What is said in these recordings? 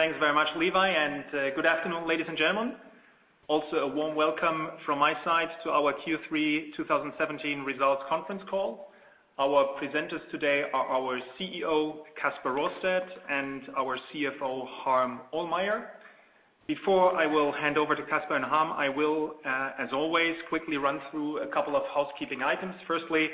Thanks very much, Levi, and good afternoon, ladies and gentlemen. Also a warm welcome from my side to our Q3 2017 results conference call. Our presenters today are our CEO, Kasper Rørsted, and our CFO, Harm Ohlmeyer. Before I will hand over to Kasper and Harm, I will, as always, quickly run through a couple of housekeeping items. Firstly,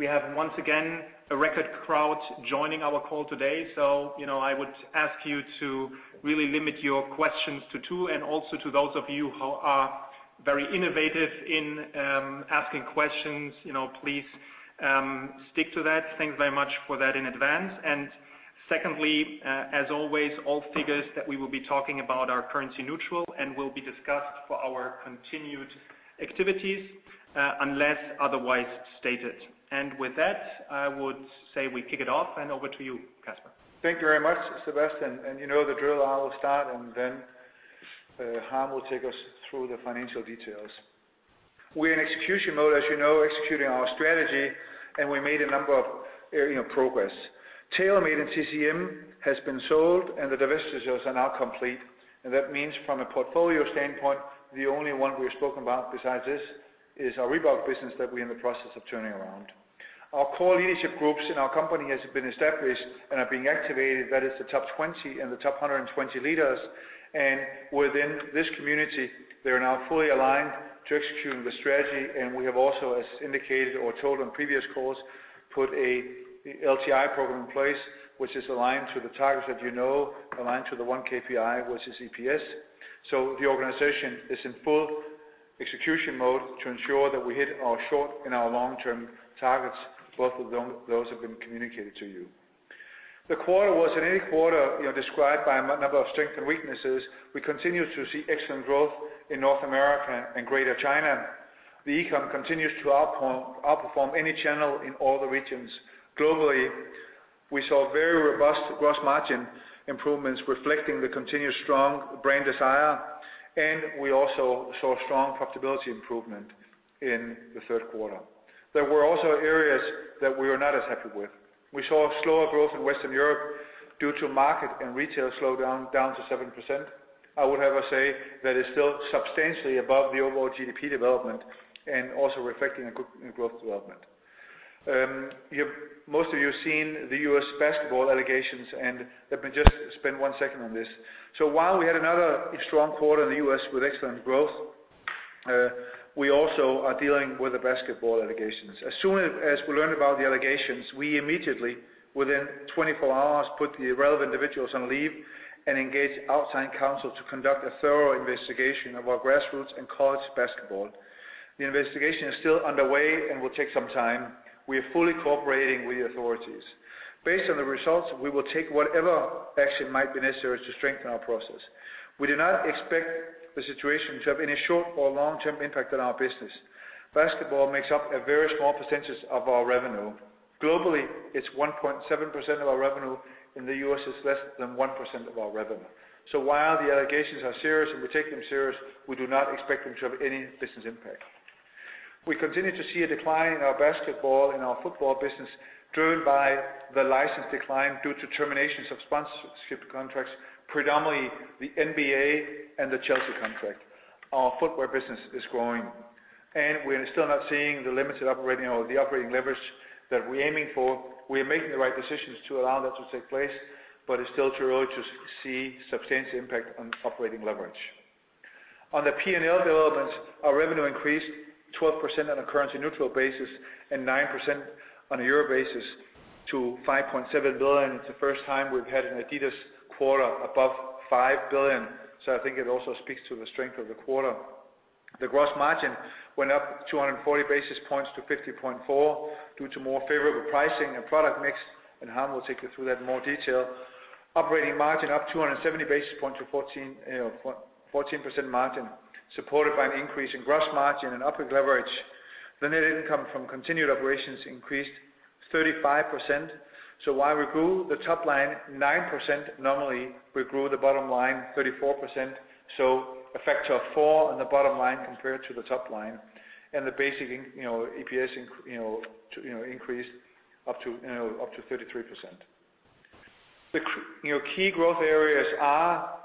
we have once again a record crowd joining our call today. I would ask you to really limit your questions to two, and also to those of you who are very innovative in asking questions, please stick to that. Thanks very much for that in advance. Secondly, as always, all figures that we will be talking about are currency neutral and will be discussed for our continued activities, unless otherwise stated. With that, I would say we kick it off and over to you, Kasper. Thank you very much, Sebastian. You know the drill. I will start. Harm will take us through the financial details. We are in execution mode, as you know, executing our strategy. We made a number of progress. TaylorMade and CCM has been sold. The divestitures are now complete. That means from a portfolio standpoint, the only one we have spoken about besides this is our Reebok business that we are in the process of turning around. Our core leadership groups in our company has been established and are being activated. That is the top 20 and the top 120 leaders. Within this community, they are now fully aligned to executing the strategy. We have also, as indicated or told on previous calls, put an LTI program in place, which is aligned to the targets that you know, aligned to the one KPI, which is EPS. The organization is in full execution mode to ensure that we hit our short and our long-term targets. Both of those have been communicated to you. The quarter was, in any quarter, described by a number of strengths and weaknesses. We continue to see excellent growth in North America and Greater China. The e-com continues to outperform any channel in all the regions. Globally, we saw very robust gross margin improvements reflecting the continued strong brand desire. We also saw strong profitability improvement in the third quarter. There were also areas that we were not as happy with. We saw slower growth in Western Europe due to market and retail slowdown down to 7%. I would have to say that is still substantially above the overall GDP development and also reflecting a good growth development. Most of you have seen the U.S. basketball allegations. Let me just spend one second on this. While we had another strong quarter in the U.S. with excellent growth, we also are dealing with the basketball allegations. As soon as we learned about the allegations, we immediately, within 24 hours, put the relevant individuals on leave and engaged outside counsel to conduct a thorough investigation of our grassroots and college basketball. The investigation is still underway and will take some time. We are fully cooperating with the authorities. Based on the results, we will take whatever action might be necessary to strengthen our process. We do not expect the situation to have any short or long-term impact on our business. Basketball makes up a very small percentage of our revenue. Globally, it's 1.7% of our revenue. In the U.S., it's less than 1% of our revenue. While the allegations are serious and we take them serious, we do not expect them to have any business impact. We continue to see a decline in our basketball and our football business, driven by the license decline due to terminations of sponsorship contracts, predominantly the NBA and the Chelsea contract. Our footwear business is growing, and we're still not seeing the limited operating or the operating leverage that we're aiming for. We're making the right decisions to allow that to take place, but it's still too early to see substantial impact on operating leverage. On the P&L developments, our revenue increased 12% on a currency neutral basis and 9% on a euro basis to 5.7 billion. It's the first time we've had an adidas quarter above 5 billion, so I think it also speaks to the strength of the quarter. The gross margin went up 240 basis points to 50.4% due to more favorable pricing and product mix, and Harm will take you through that in more detail. Operating margin up 270 basis points to 14% margin, supported by an increase in gross margin and operating leverage. The net income from continued operations increased 35%. While we grew the top line 9%, normally we grew the bottom line 34%, a factor of four on the bottom line compared to the top line. The basic EPS increased up to 33%. The key growth areas are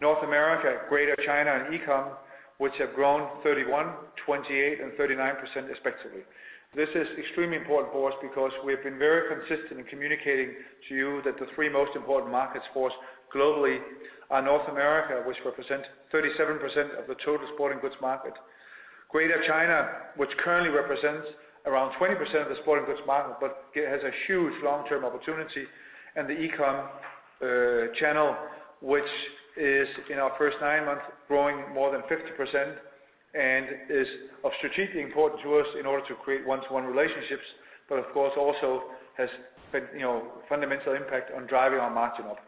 North America, Greater China and e-com, which have grown 31%, 28% and 39% respectively. This is extremely important for us because we have been very consistent in communicating to you that the three most important markets for us globally are North America, which represents 37% of the total sporting goods market; Greater China, which currently represents around 20% of the sporting goods market, but it has a huge long-term opportunity; and the e-com channel, which is in our first nine months, growing more than 50% and is of strategic importance to us in order to create one-to-one relationships, but of course also has fundamental impact on driving our margin up.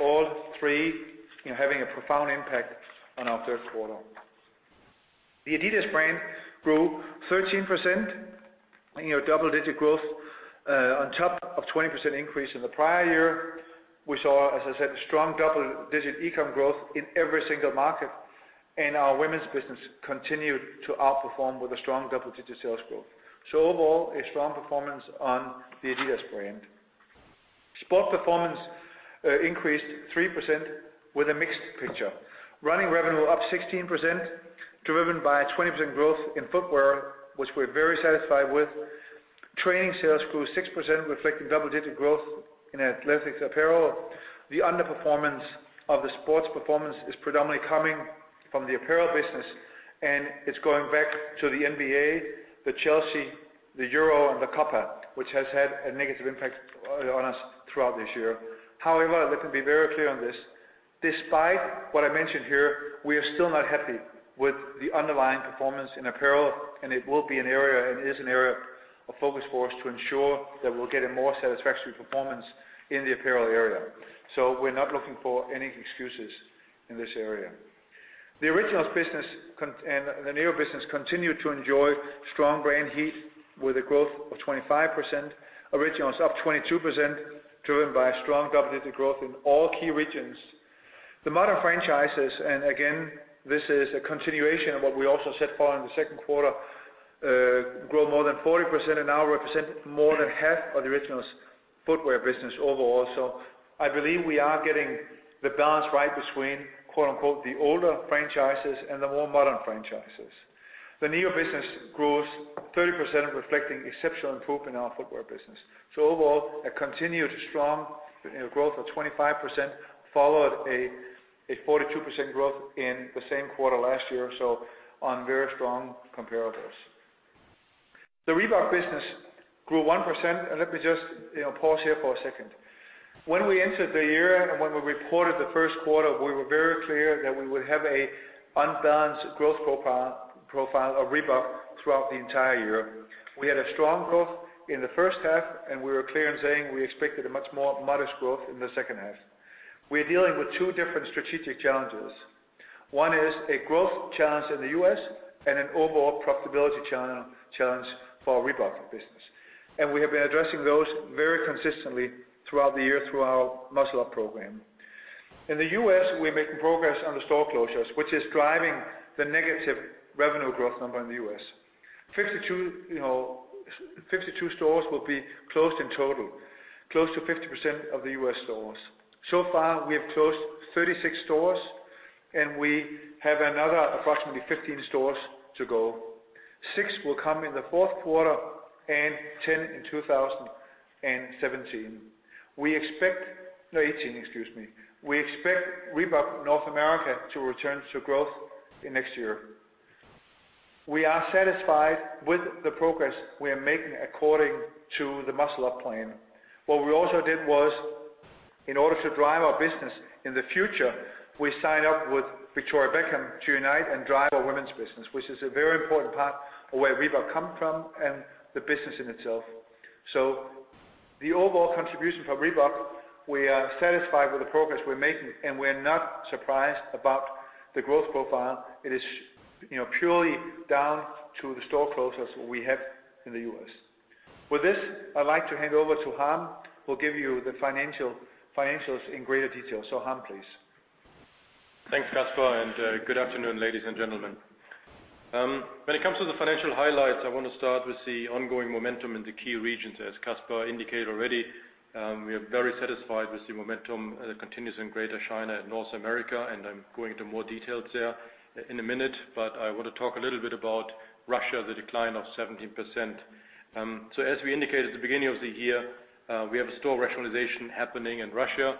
All three having a profound impact on our third quarter. The adidas brand grew 13%, double-digit growth, on top of 20% increase in the prior year. We saw, as I said, strong double-digit e-com growth in every single market, and our women's business continued to outperform with a strong double-digit sales growth. Overall, a strong performance on the adidas brand. Sports performance increased 3% with a mixed picture. Running revenue up 16%, driven by 20% growth in footwear, which we're very satisfied with. Training sales grew 6%, reflecting double-digit growth in athletics apparel. The underperformance of the sports performance is predominantly coming from the apparel business, and it's going back to the NBA, the Chelsea, the Euro, and the Copa, which has had a negative impact on us throughout this year. However, let me be very clear on this. Despite what I mentioned here, we are still not happy with the underlying performance in apparel, and it will be an area, and it is an area of focus for us to ensure that we'll get a more satisfactory performance in the apparel area. We're not looking for any excuses in this area. The Originals business and the Neo business continue to enjoy strong brand heat with a growth of 25%. Originals up 22%, driven by strong double-digit growth in all key regions. The modern franchises, and again, this is a continuation of what we also set for in the second quarter, grow more than 40% and now represent more than half of the Originals footwear business overall. I believe we are getting the balance right between "the older franchises" and the more modern franchises. The Neo business grows 30%, reflecting exceptional improvement in our footwear business. Overall, a continued strong growth of 25% followed a 42% growth in the same quarter last year, on very strong comparables. The Reebok business grew 1%, and let me just pause here for a second. When we entered the year, and when we reported the first quarter, we were very clear that we would have an unbalanced growth profile of Reebok throughout the entire year. We had a strong growth in the first half, and we were clear in saying we expected a much more modest growth in the second half. We're dealing with two different strategic challenges. One is a growth challenge in the U.S., and an overall profitability challenge for our Reebok business. We have been addressing those very consistently throughout the year through our Muscle Up program. In the U.S., we're making progress on the store closures, which is driving the negative revenue growth number in the U.S. 52 stores will be closed in total, close to 50% of the U.S. stores. So far, we have closed 36 stores, and we have another approximately 15 stores to go. 6 will come in the fourth quarter and 10 in 2018. We expect Reebok North America to return to growth next year. We're satisfied with the progress we're making according to the Muscle Up plan. What we also did was, in order to drive our business in the future, we signed up with Victoria Beckham to unite and drive our women's business, which is a very important part of where Reebok comes from and the business in itself. The overall contribution for Reebok, we're satisfied with the progress we're making, and we're not surprised about the growth profile. It is purely down to the store closures we have in the U.S. With this, I'd like to hand over to Harm, who'll give you the financials in greater detail. Harm, please. Thanks, Kasper, and good afternoon, ladies and gentlemen. When it comes to the financial highlights, I want to start with the ongoing momentum in the key regions. As Kasper indicated already, we are very satisfied with the momentum that continues in Greater China and North America, and I'm going into more details there in a minute, but I want to talk a little bit about Russia, the decline of 17%. As we indicated at the beginning of the year, we have a store rationalization happening in Russia.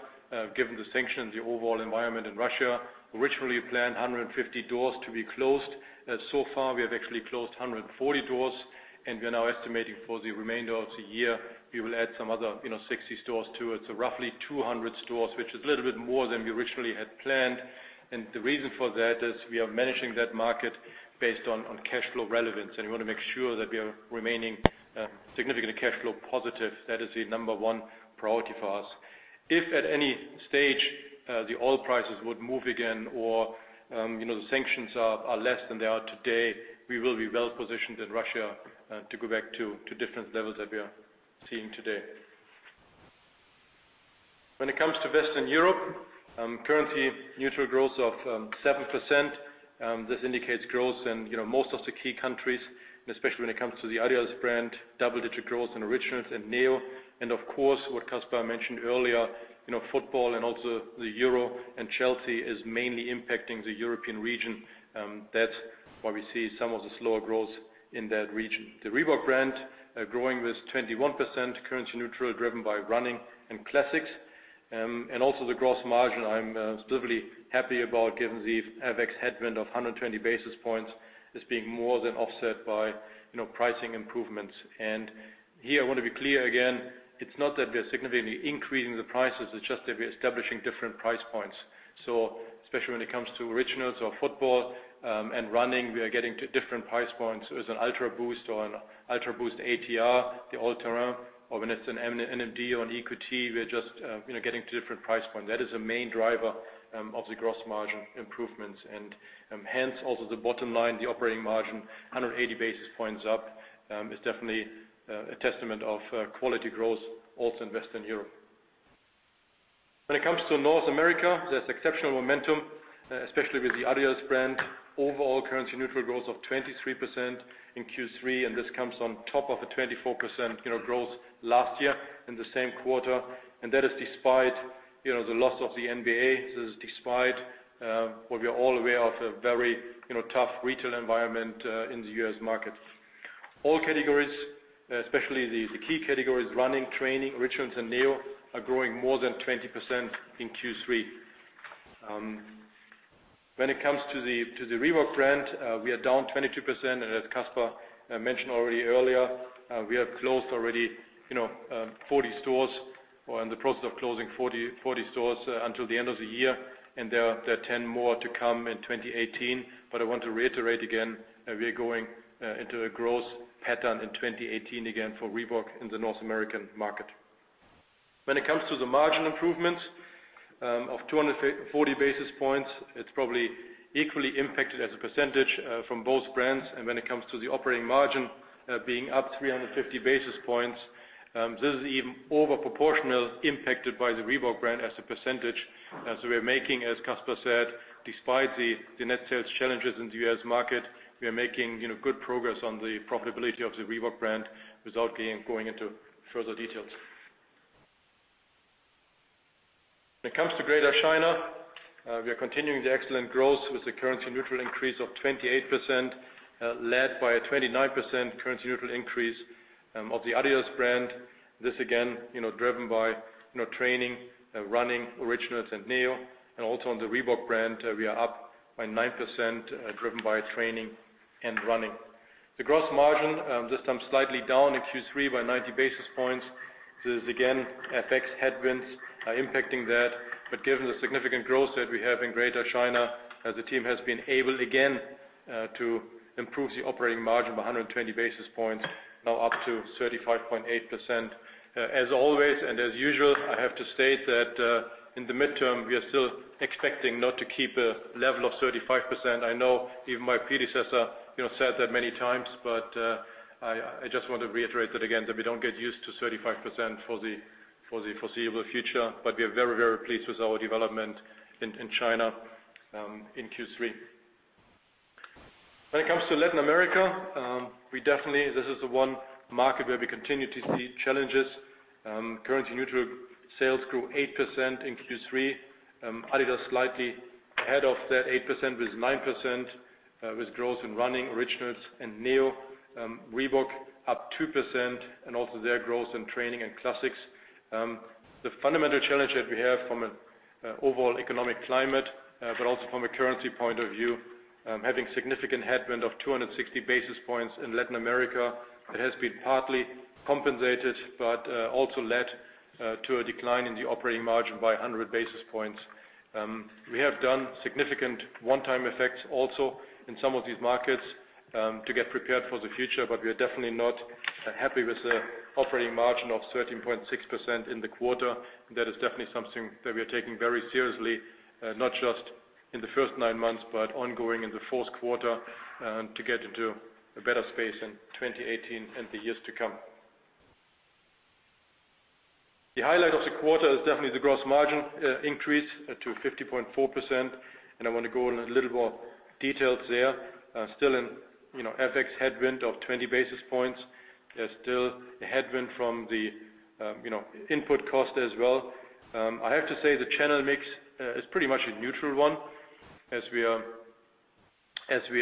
Given the sanctions, the overall environment in Russia, originally planned 150 stores to be closed. So far, we have actually closed 140 stores, and we are now estimating for the remainder of the year, we will add some other 60 stores to it. So roughly 200 stores, which is a little bit more than we originally had planned. The reason for that is we are managing that market based on cash flow relevance, and we want to make sure that we are remaining significantly cash flow positive. That is the number one priority for us. If at any stage, the oil prices would move again or the sanctions are less than they are today, we will be well positioned in Russia to go back to different levels that we are seeing today. When it comes to Western Europe, currency neutral growth of 7%. This indicates growth in most of the key countries, and especially when it comes to the adidas brand, double-digit growth in Originals and Neo. Of course, what Kasper mentioned earlier, football and also the Euro and Chelsea is mainly impacting the European region. That's why we see some of the slower growth in that region. The Reebok brand growing with 21% currency neutral, driven by running and classics. Also the gross margin, I'm still really happy about given the FX headwind of 120 basis points as being more than offset by pricing improvements. Here I want to be clear again, it's not that we are significantly increasing the prices, it's just that we are establishing different price points. So especially when it comes to Originals or football and running, we are getting to different price points. So as an UltraBoost or an UltraBOOST ATR, the All Terrain, or when it's an NMD or an EQT, we are just getting to different price points. That is a main driver of the gross margin improvements. Hence, also the bottom line, the operating margin, 180 basis points up, is definitely a testament of quality growth also in Western Europe. When it comes to North America, there's exceptional momentum, especially with the adidas brand. Overall currency neutral growth of 23% in Q3, this comes on top of a 24% growth last year in the same quarter. That is despite the loss of the NBA. This is despite what we are all aware of, a very tough retail environment in the U.S. market. All categories, especially the key categories, running, training, Originals, and Neo are growing more than 20% in Q3. When it comes to the Reebok brand, we are down 22%, and as Kasper mentioned already earlier, we have closed already 40 stores or are in the process of closing 40 stores until the end of the year. There are 10 more to come in 2018. I want to reiterate again, we are going into a growth pattern in 2018 again for Reebok in the North American market. When it comes to the margin improvements of 240 basis points, it's probably equally impacted as a percentage from both brands. When it comes to the operating margin being up 350 basis points, this is even over proportional impacted by the Reebok brand as a percentage. We are making, as Kasper said, despite the net sales challenges in the U.S. market, we are making good progress on the profitability of the Reebok brand without going into further details. When it comes to Greater China, we are continuing the excellent growth with the currency neutral increase of 28%, led by a 29% currency neutral increase of the adidas brand. This again, driven by training, running, Originals, and Neo. Also on the Reebok brand, we are up by 9%, driven by training and running. The gross margin, this time slightly down in Q3 by 90 basis points. This again, affects headwinds impacting that. Given the significant growth that we have in Greater China, the team has been able again, to improve the operating margin by 120 basis points, now up to 35.8%. As always and as usual, I have to state that in the midterm, we are still expecting not to keep a level of 35%. I know even my predecessor said that many times, I just want to reiterate that again, that we don't get used to 35% for the foreseeable future. We are very, very pleased with our development in China in Q3. When it comes to Latin America, this is the one market where we continue to see challenges. Currency neutral sales grew 8% in Q3. adidas slightly ahead of that 8% with 9%, with growth in running, Originals, and Neo. Reebok up 2%, also their growth in training and classics. The fundamental challenge that we have from an overall economic climate, also from a currency point of view, having significant headwind of 260 basis points in Latin America. It has been partly compensated also led to a decline in the operating margin by 100 basis points. We have done significant one-time effects also in some of these markets to get prepared for the future, we are definitely not happy with the operating margin of 13.6% in the quarter. That is definitely something that we are taking very seriously, not just in the first nine months, ongoing in the fourth quarter to get into a better space in 2018 and the years to come. The highlight of the quarter is definitely the gross margin increase to 50.4%, I want to go in a little more details there. Still an FX headwind of 20 basis points. There's still a headwind from the input cost as well. I have to say the channel mix is pretty much a neutral one as we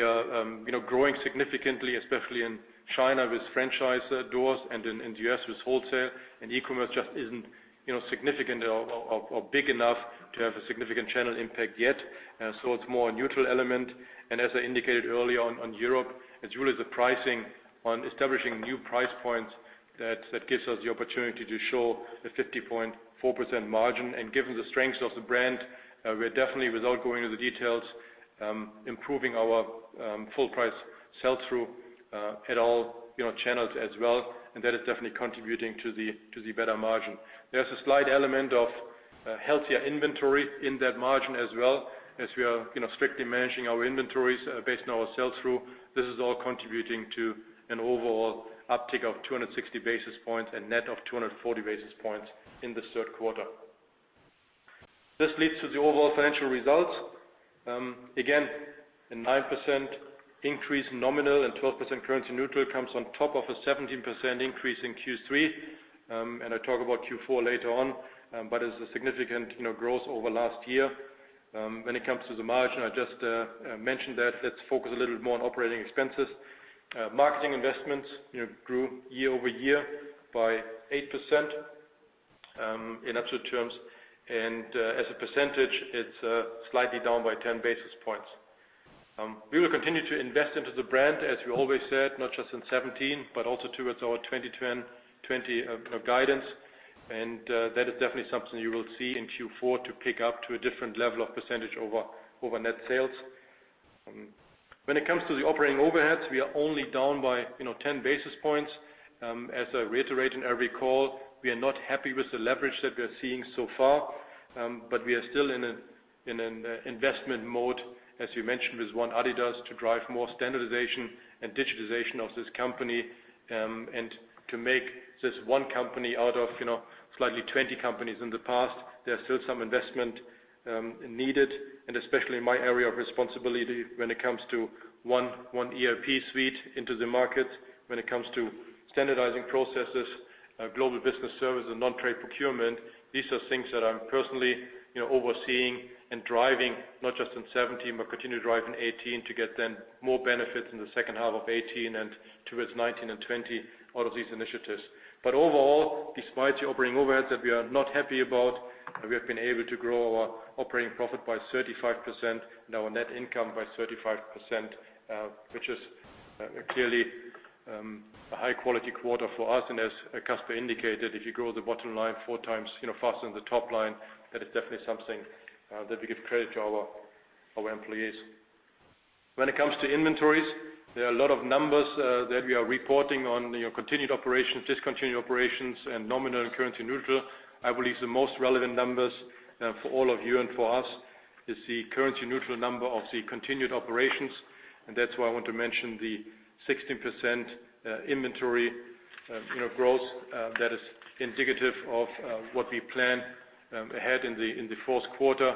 are growing significantly, especially in China with franchise doors and in the U.S. with wholesale and e-commerce just isn't significant or big enough to have a significant channel impact yet. It's more a neutral element. As I indicated earlier on Europe, it's really the pricing on establishing new price points that gives us the opportunity to show a 50.4% margin. Given the strength of the brand, we are definitely, without going into the details, improving our full price sell-through at all channels as well. That is definitely contributing to the better margin. There's a slight element of healthier inventory in that margin as well as we are strictly managing our inventories based on our sell-through. This is all contributing to an overall uptick of 260 basis points and net of 240 basis points in the third quarter. This leads to the overall financial results. Again, a 9% increase nominal and 12% currency neutral comes on top of a 17% increase in Q3. I talk about Q4 later on. It's a significant growth over last year. When it comes to the margin, I just mentioned that. Let's focus a little more on operating expenses. Marketing investments grew year-over-year by 8% in absolute terms. As a percentage, it's slightly down by 10 basis points. We will continue to invest into the brand, as we always said, not just in 2017, but also towards our 2020 guidance. That is definitely something you will see in Q4 to pick up to a different level of percentage over net sales. When it comes to the operating overheads, we are only down by 10 basis points. As I reiterate in every call, we are not happy with the leverage that we are seeing so far. We are still in an investment mode, as you mentioned, with One adidas to drive more standardization and digitization of this company, and to make this one company out of slightly 20 companies in the past. There's still some investment needed. Especially in my area of responsibility when it comes to one ERP suite into the market, when it comes to standardizing processes, global business service and nontrade procurement. These are things that I'm personally overseeing and driving, not just in 2017, but continue to drive in 2018 to get then more benefits in the second half of 2018 and towards 2019 and 2020 out of these initiatives. Overall, despite the operating overheads that we are not happy about, we have been able to grow our operating profit by 35% and our net income by 35%, which is clearly a high-quality quarter for us. As Kasper indicated, if you grow the bottom line four times faster than the top line, that is definitely something that we give credit to our employees. When it comes to inventories, there are a lot of numbers that we are reporting on continued operations, discontinued operations, nominal and currency neutral. I believe the most relevant numbers for all of you and for us is the currency neutral number of the continued operations. That's why I want to mention the 16% inventory growth that is indicative of what we plan ahead in the fourth quarter,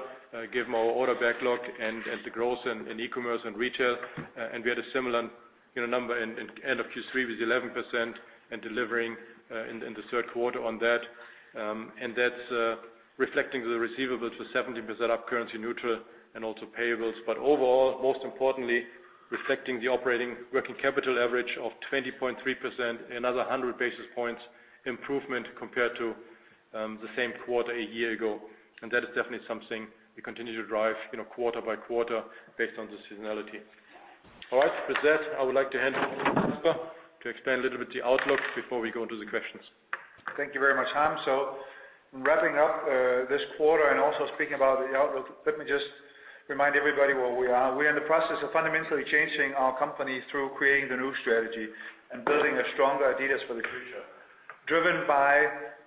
given our order backlog and the growth in e-commerce and retail. We had a similar number in end of Q3 with 11% and delivering in the third quarter on that. That's reflecting the receivables for 17% up currency neutral and also payables. Overall, most importantly, reflecting the operating working capital average of 20.3%, another 100 basis points improvement compared to the same quarter a year ago. That is definitely something we continue to drive quarter by quarter based on the seasonality. All right. With that, I would like to hand over to Kasper to explain a little bit the outlook before we go into the questions. Thank you very much, Harm. Wrapping up this quarter and also speaking about the outlook, let me just remind everybody where we are. We are in the process of fundamentally changing our company through creating the new strategy and building a stronger adidas for the future, driven by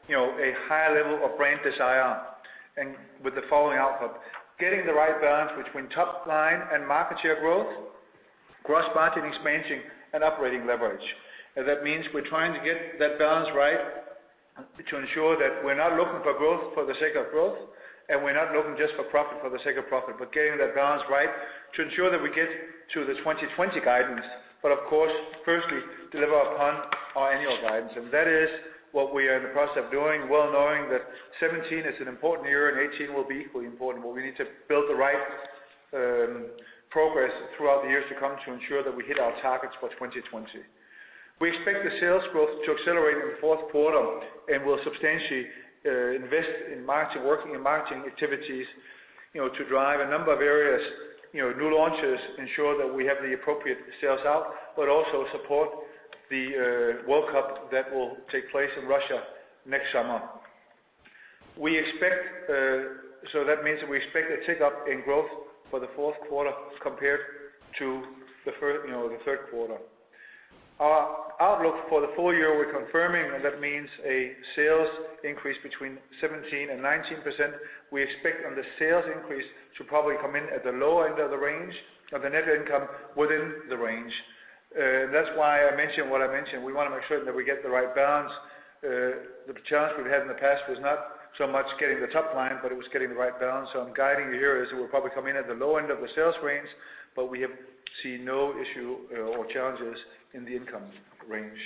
a higher level of brand desire and with the following outlook. Getting the right balance between top line and market share growth, gross margin expansion, and operating leverage. We're trying to get that balance right to ensure that we're not looking for growth for the sake of growth, and we're not looking just for profit for the sake of profit. Getting that balance right to ensure that we get to the 2020 guidance, but of course, firstly, deliver upon our annual guidance. That is what we are in the process of doing, well knowing that 2017 is an important year and 2018 will be equally important. We need to build the right progress throughout the years to come to ensure that we hit our targets for 2020. We expect the sales growth to accelerate in the fourth quarter, and we'll substantially invest in working in marketing activities to drive a number of areas, new launches, ensure that we have the appropriate sales out, but also support the World Cup that will take place in Russia next summer. That means we expect a tick up in growth for the fourth quarter compared to the third quarter. Our outlook for the full year, we're confirming, and that means a sales increase between 17% and 19%. We expect on the sales increase to probably come in at the low end of the range of the net income within the range. I mentioned what I mentioned. We want to make sure that we get the right balance. The challenge we've had in the past was not so much getting the top line, but it was getting the right balance. I'm guiding you here as we'll probably come in at the low end of the sales range, but we have seen no issue or challenges in the income range.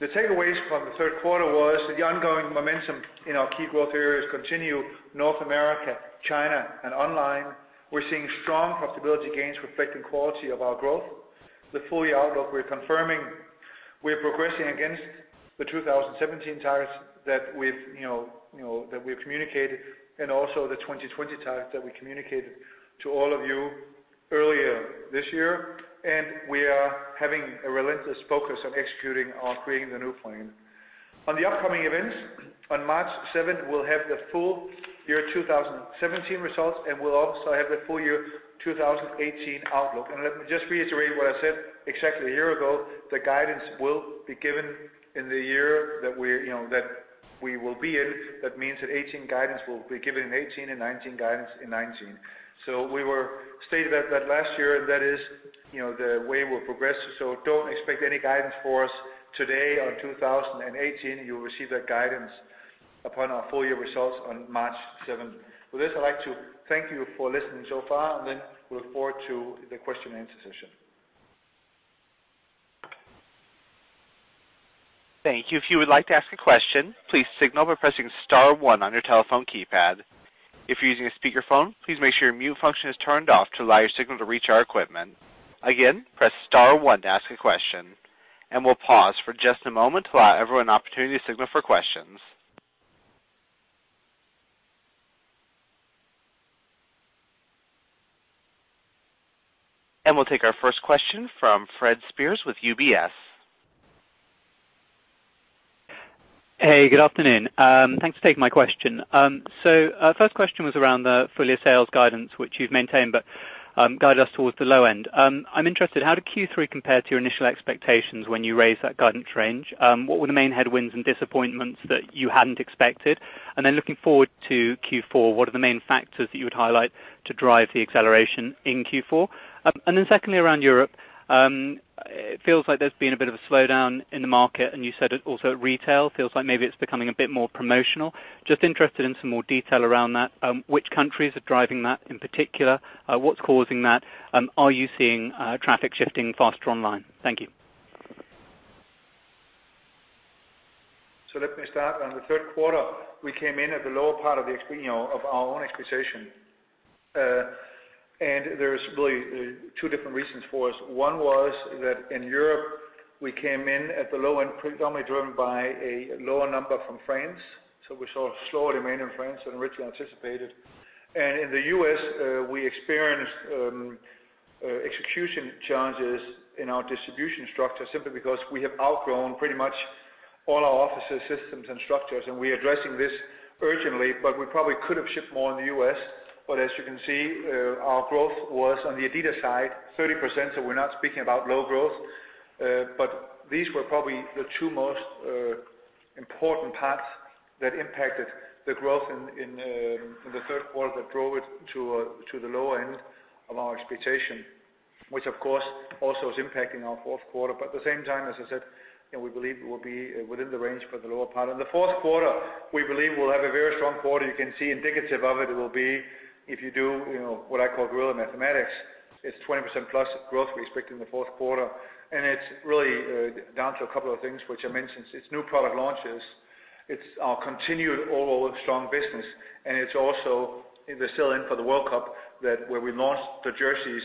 The takeaways from the third quarter was the ongoing momentum in our key growth areas continue, North America, China, and online. We're seeing strong profitability gains reflecting quality of our growth. The full-year outlook, we're confirming. We're progressing against the 2017 targets that we've communicated and also the 2020 targets that we communicated to all of you earlier this year. We are having a relentless focus on executing on creating the new plan. On the upcoming events, on March 7th, we'll have the full year 2017 results, and we'll also have the full year 2018 outlook. Let me just reiterate what I said exactly a year ago, the guidance will be given in the year that we will be in. 2018 guidance will be given in 2018 and 2019 guidance in 2019. We stated that last year, and that is the way we'll progress. Don't expect any guidance for us today on 2018. You'll receive that guidance upon our full-year results on March 7th. With this, I'd like to thank you for listening so far, we look forward to the question and answer session. Thank you. If you would like to ask a question, please signal by pressing *1 on your telephone keypad. If you're using a speakerphone, please make sure your mute function is turned off to allow your signal to reach our equipment. Again, press *1 to ask a question. We'll pause for just a moment to allow everyone an opportunity to signal for questions. We'll take our first question from Fred Speirs with UBS. Hey, good afternoon. Thanks for taking my question. First question was around the full-year sales guidance, which you've maintained but guide us towards the low end. I'm interested, how did Q3 compare to your initial expectations when you raised that guidance range? What were the main headwinds and disappointments that you hadn't expected? Looking forward to Q4, what are the main factors that you would highlight to drive the acceleration in Q4? Secondly, around Europe, it feels like there's been a bit of a slowdown in the market, and you said it also at retail. Feels like maybe it's becoming a bit more promotional. Just interested in some more detail around that. Which countries are driving that in particular? What's causing that? Are you seeing traffic shifting faster online? Thank you. Let me start. On the third quarter, we came in at the lower part of our own expectation. There's really two different reasons for this. One was that in Europe, we came in at the low end, predominantly driven by a lower number from France. We saw slower demand in France than originally anticipated. In the U.S., we experienced execution challenges in our distribution structure simply because we have outgrown pretty much all our offices, systems, and structures, and we are addressing this urgently, we probably could have shipped more in the U.S. As you can see, our growth was, on the adidas side, 30%, we're not speaking about low growth. These were probably the two most important parts that impacted the growth in the third quarter that drove it to the lower end of our expectation, which, of course, also is impacting our fourth quarter. At the same time, as I said, we believe we will be within the range for the lower part. On the fourth quarter, we believe we'll have a very strong quarter. You can see indicative of it will be, if you do what I call guerrilla mathematics, it's 20%-plus growth we expect in the fourth quarter. It's really down to a couple of things, which I mentioned. It's new product launches, it's our continued overall strong business, and it's also the sell-in for the World Cup, where we launched the jerseys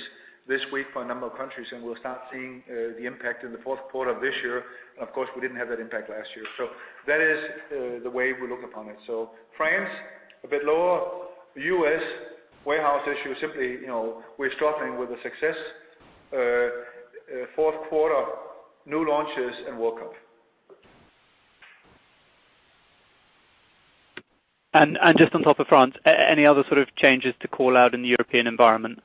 this week for a number of countries, and we'll start seeing the impact in the fourth quarter of this year. Of course, we didn't have that impact last year. That is the way we look upon it. France, a bit lower. The U.S., warehouse issue, simply we're struggling with the success. Fourth quarter, new launches and World Cup. Just on top of France, any other sort of changes to call out in the European environment?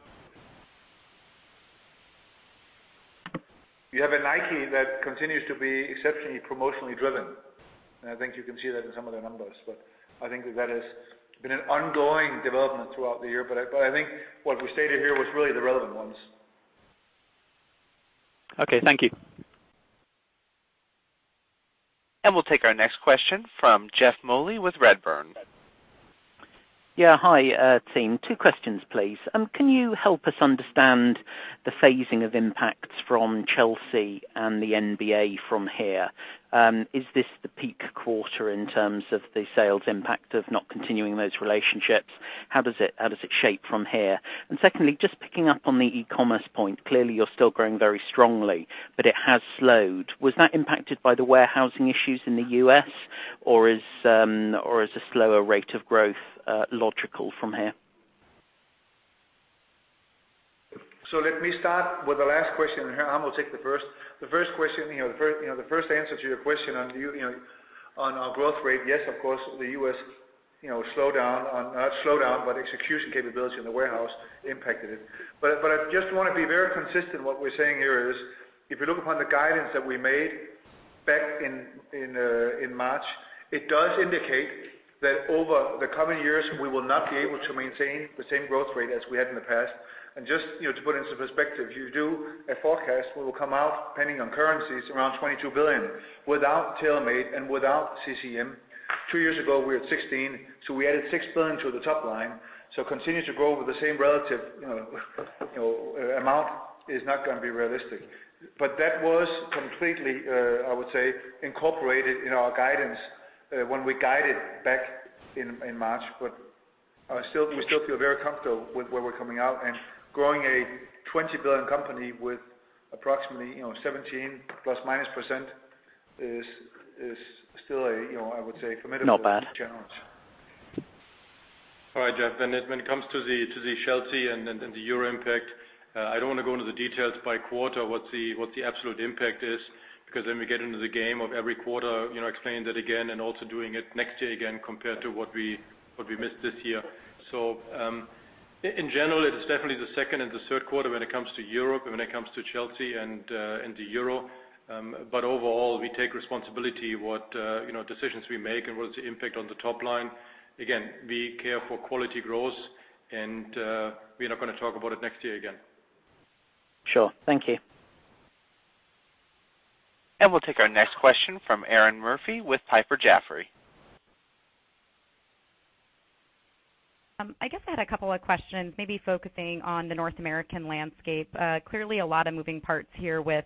You have a Nike that continues to be exceptionally promotionally driven. I think you can see that in some of their numbers. I think that has been an ongoing development throughout the year. I think what we stated here was really the relevant ones. Okay, thank you. We'll take our next question from Geoff Lowery with Redburn. Hi, team. Two questions, please. Can you help us understand the phasing of impacts from Chelsea and the NBA from here? Is this the peak quarter in terms of the sales impact of not continuing those relationships? How does it shape from here? Secondly, just picking up on the e-commerce point, clearly you're still growing very strongly, but it has slowed. Was that impacted by the warehousing issues in the U.S., or is a slower rate of growth logical from here? Let me start with the last question, Harm will take the first. The first answer to your question on our growth rate, yes, of course, the U.S., not slowdown, but execution capability in the warehouse impacted it. I just want to be very consistent. What we're saying here is, if you look upon the guidance that we made back in March, it does indicate that over the coming years, we will not be able to maintain the same growth rate as we had in the past. Just to put it into perspective, if you do a forecast, we will come out, depending on currencies, around 22 billion. Without TaylorMade and without CCM, two years ago, we were at 16, we added six billion to the top line. Continuing to grow with the same relative amount is not going to be realistic. That was completely, I would say, incorporated in our guidance when we guided back in March. We still feel very comfortable with where we're coming out, and growing a 20 billion company with approximately ±17% is still a, I would say, formidable challenge. Not bad. All right, Geoff. When it comes to the Chelsea and the Euro impact, I don't want to go into the details by quarter, what the absolute impact is, because then we get into the game of every quarter, explaining that again and also doing it next year again compared to what we missed this year. So in general, it is definitely the second and third quarter when it comes to Europe and when it comes to Chelsea and the Euro. Overall, we take responsibility what decisions we make and what's the impact on the top line. We care for quality growth, and we're not going to talk about it next year again. Sure. Thank you. We'll take our next question from Erinn Murphy with Piper Jaffray. I had a couple of questions maybe focusing on the North American landscape. Clearly a lot of moving parts here with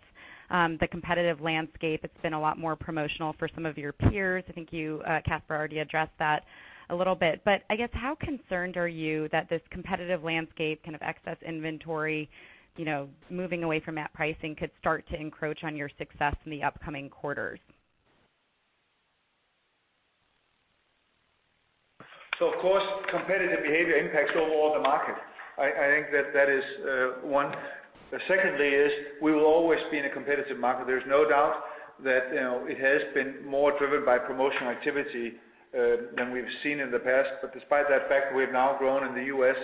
the competitive landscape. It's been a lot more promotional for some of your peers. I think you, Kasper, already addressed that a little bit. How concerned are you that this competitive landscape, kind of excess inventory, moving away from that pricing could start to encroach on your success in the upcoming quarters? Of course, competitive behavior impacts overall the market. I think that that is one. Secondly is we will always be in a competitive market. There's no doubt. That it has been more driven by promotional activity than we've seen in the past. Despite that fact, we have now grown in the U.S.,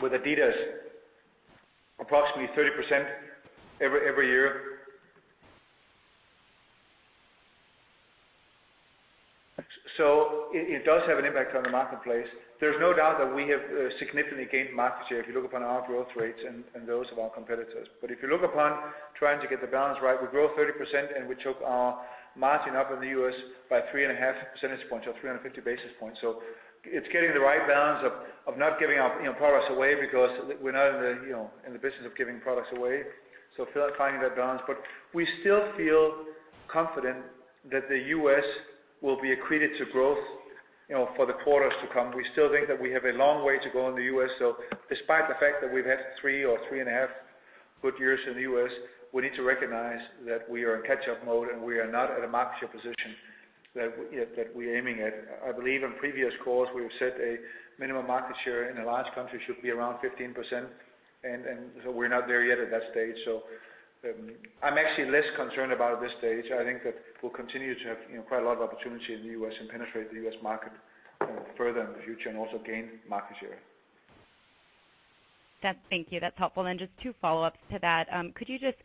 with adidas, approximately 30% every year. It does have an impact on the marketplace. There's no doubt that we have significantly gained market share if you look upon our growth rates and those of our competitors. If you look upon trying to get the balance right, we grow 30% and we took our margin up in the U.S. by 3.5 percentage points or 350 basis points. It's getting the right balance of not giving our products away because we're not in the business of giving products away. Finding that balance. We still feel confident that the U.S. will be accreted to growth for the quarters to come. We still think that we have a long way to go in the U.S. Despite the fact that we've had three or three and a half good years in the U.S., we need to recognize that we are in catch-up mode, and we are not at a market share position that we're aiming at. I believe in previous calls, we have said a minimum market share in a large country should be around 15%, we're not there yet at that stage. I'm actually less concerned about it this stage. I think that we'll continue to have quite a lot of opportunity in the U.S. and penetrate the U.S. market further in the future and also gain market share. Thank you. That's helpful. Just two follow-ups to that. Could you just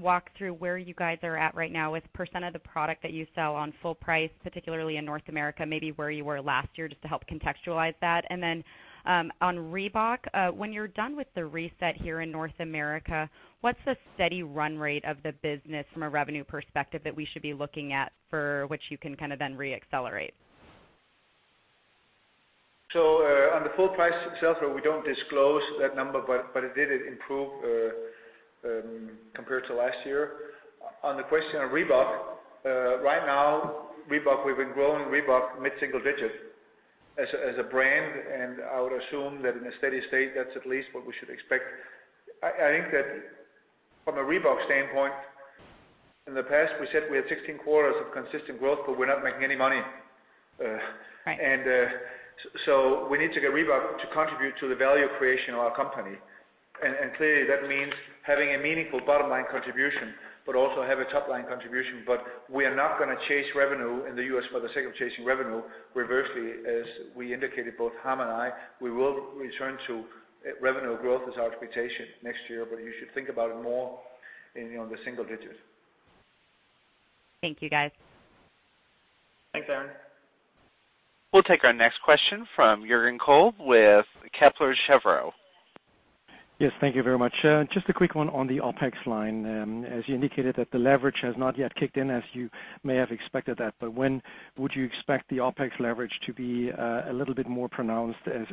walk through where you guys are at right now with % of the product that you sell on full price, particularly in North America, maybe where you were last year, just to help contextualize that? And then on Reebok, when you're done with the reset here in North America, what's the steady run rate of the business from a revenue perspective that we should be looking at for which you can then re-accelerate? On the full price itself, we don't disclose that number, but it did improve compared to last year. On the question of Reebok, right now, we've been growing Reebok mid-single digits as a brand, and I would assume that in a steady state, that's at least what we should expect. I think that from a Reebok standpoint, in the past, we said we had 16 quarters of consistent growth, but we're not making any money. Right. We need to get Reebok to contribute to the value creation of our company. Clearly, that means having a meaningful bottom-line contribution, but also have a top-line contribution. We are not going to chase revenue in the U.S. for the sake of chasing revenue. Reversely, as we indicated, both Harm and I, we will return to revenue growth as our expectation next year, but you should think about it more in the single digits. Thank you, guys. Thanks, Erinn. We'll take our next question from Jürgen Kolb with Kepler Cheuvreux. Yes. Thank you very much. Just a quick one on the OpEx line. As you indicated that the leverage has not yet kicked in as you may have expected that, when would you expect the OpEx leverage to be a little bit more pronounced as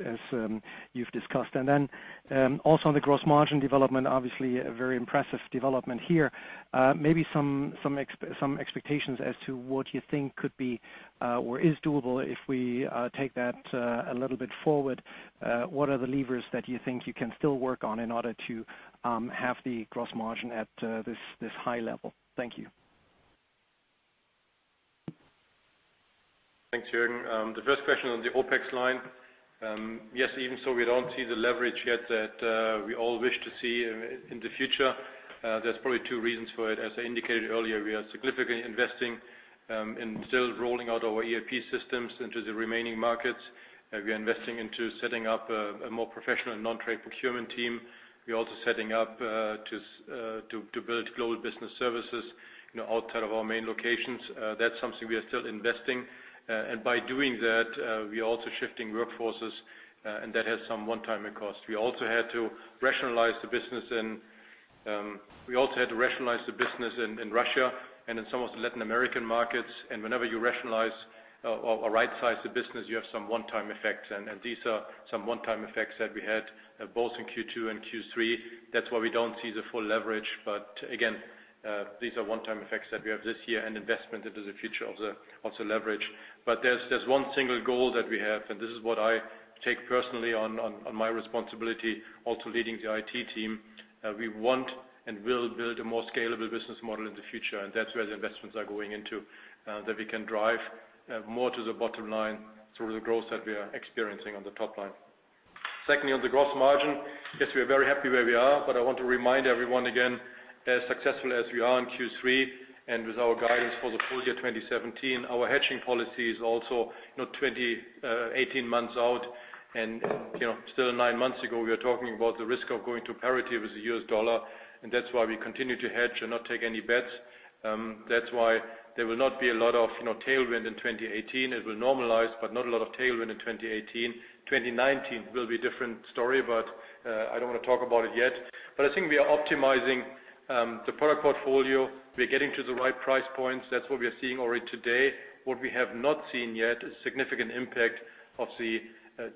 you've discussed? Also on the gross margin development, obviously a very impressive development here. Maybe some expectations as to what you think could be or is doable if we take that a little bit forward. What are the levers that you think you can still work on in order to have the gross margin at this high level? Thank you. Thanks, Jürgen. The first question on the OpEx line. Yes, even so, we don't see the leverage yet that we all wish to see in the future. There's probably two reasons for it. As I indicated earlier, we are significantly investing in still rolling out our ERP systems into the remaining markets. We are investing into setting up a more professional non-trade procurement team. We're also setting up to build global business services outside of our main locations. That's something we are still investing. By doing that, we are also shifting workforces, and that has some one-time cost. We also had to rationalize the business in Russia and in some of the Latin American markets. Whenever you rationalize or right size the business, you have some one-time effects. These are some one-time effects that we had both in Q2 and Q3. That's why we don't see the full leverage. Again, these are one-time effects that we have this year and investment into the future of the leverage. There's one single goal that we have, and this is what I take personally on my responsibility also leading the IT team. We want and will build a more scalable business model in the future, and that's where the investments are going into, that we can drive more to the bottom line through the growth that we are experiencing on the top line. Secondly, on the gross margin, yes, we are very happy where we are, I want to remind everyone again, as successful as we are in Q3 and with our guidance for the full year 2017, our hedging policy is also 18 months out, still nine months ago, we were talking about the risk of going to parity with the US dollar, that's why we continue to hedge and not take any bets. That's why there will not be a lot of tailwind in 2018. It will normalize, but not a lot of tailwind in 2018. 2019 will be a different story, I don't want to talk about it yet. I think we are optimizing the product portfolio. We're getting to the right price points. That's what we are seeing already today. What we have not seen yet is significant impact of the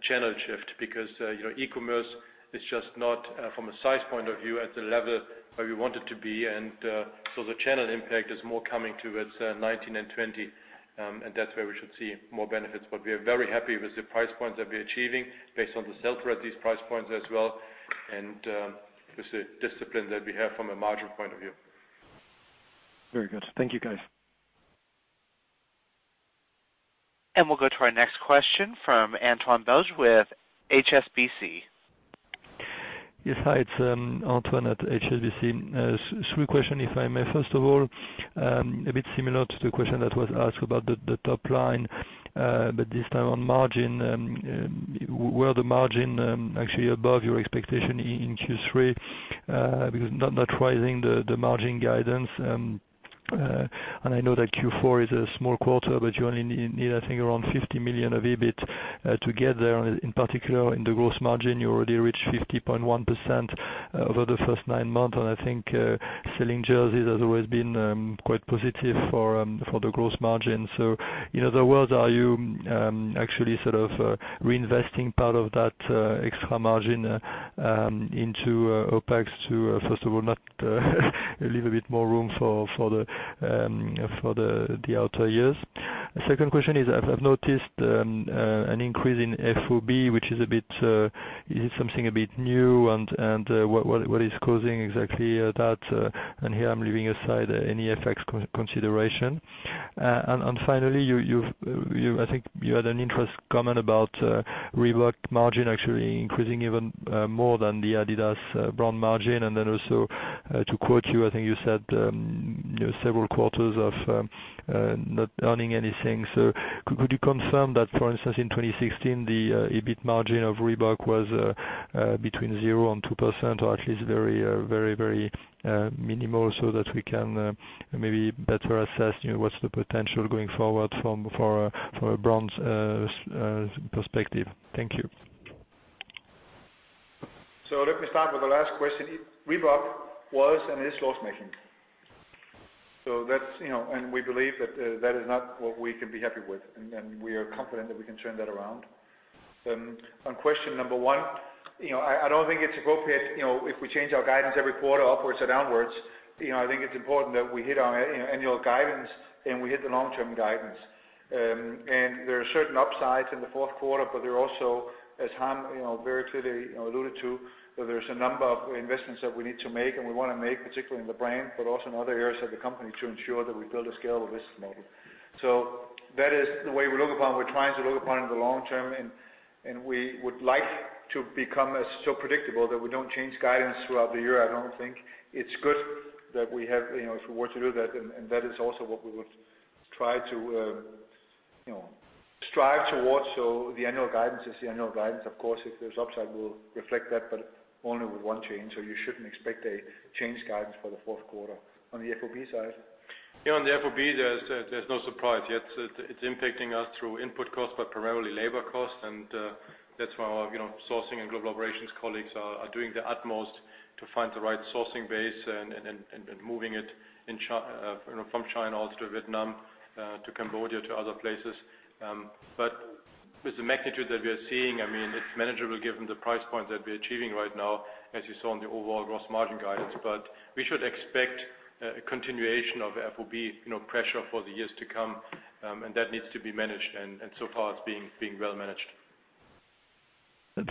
channel shift because e-commerce is just not, from a size point of view, at the level where we want it to be. The channel impact is more coming towards 2019 and 2020. That's where we should see more benefits. We are very happy with the price points that we're achieving based on the sell-through at these price points as well, and with the discipline that we have from a margin point of view. Very good. Thank you, guys. We'll go to our next question from Antoine Belge with HSBC. Yes. Hi, it's Antoine at HSBC. Three question, if I may. First of all, a bit similar to the question that was asked about the top line, but this time on margin. Were the margin actually above your expectation in Q3? Because not rising the margin guidance, and I know that Q4 is a small quarter, but you only need, I think, around 50 million of EBIT to get there. In particular, in the gross margin, you already reached 50.1% over the first nine months, and I think selling jerseys has always been quite positive for the gross margin. In other words, are you actually sort of reinvesting part of that extra margin into OpEx to, first of all, not leave a bit more room for the outer years? Second question is, I've noticed an increase in FOB, which is something a bit new, and what is causing exactly that? Here, I'm leaving aside any effects consideration. Finally, I think you had an interest comment about Reebok margin actually increasing even more than the adidas brand margin, and then also, to quote you, I think you said several quarters of not earning anything. Could you confirm that, for instance, in 2016, the EBIT margin of Reebok was between 0%-2% or at least very minimal, so that we can maybe better assess what's the potential going forward from a brand perspective? Thank you. Let me start with the last question. Reebok was and is loss-making. We believe that that is not what we can be happy with, and we are confident that we can turn that around. On question number 1, I don't think it's appropriate if we change our guidance every quarter upwards or downwards. I think it's important that we hit our annual guidance, and we hit the long-term guidance. There are certain upsides in the fourth quarter, but there are also, as Harm very clearly alluded to, there's a number of investments that we need to make and we want to make, particularly in the brand, but also in other areas of the company to ensure that we build a scalable business model. That is the way we look upon, we're trying to look upon in the long term, and we would like to become so predictable that we don't change guidance throughout the year. I don't think it's good if we were to do that, and that is also what we would try to strive towards. The annual guidance is the annual guidance. Of course, if there's upside, we'll reflect that, but only with one change. You shouldn't expect a change guidance for the fourth quarter. On the FOB side? On the FOB, there's no surprise. It's impacting us through input cost, but primarily labor cost, and that's why our sourcing and global operations colleagues are doing their utmost to find the right sourcing base and moving it from China out to Vietnam, to Cambodia, to other places. With the magnitude that we are seeing, it's manageable given the price points that we're achieving right now, as you saw on the overall gross margin guidance. We should expect a continuation of FOB pressure for the years to come, and that needs to be managed, and so far it's being well managed. Thank you.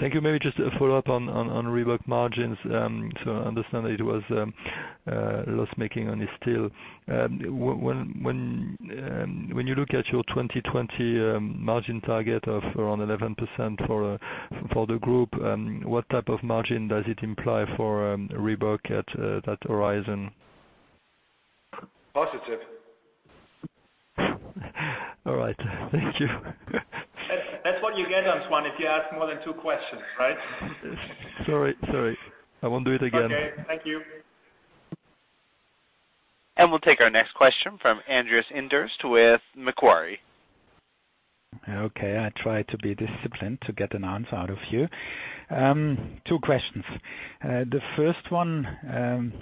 Maybe just a follow-up on Reebok margins. I understand that it was loss-making and is still. When you look at your 2020 margin target of around 11% for the group, what type of margin does it imply for Reebok at that horizon? Positive. All right. Thank you. That's what you get, Antoine, if you ask more than two questions, right? Sorry. I won't do it again. Okay. Thank you. We'll take our next question from Andreas Inderst with Macquarie. First one,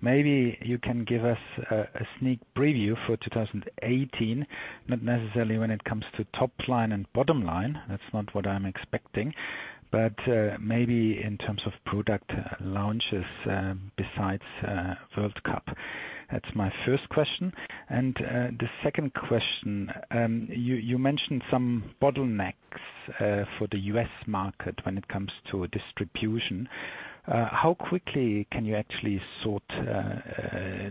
maybe you can give us a sneak preview for 2018, not necessarily when it comes to top line and bottom line. That's not what I'm expecting. Maybe in terms of product launches besides World Cup. That's my first question. The second question, you mentioned some bottlenecks for the U.S. market when it comes to distribution. How quickly can you actually sort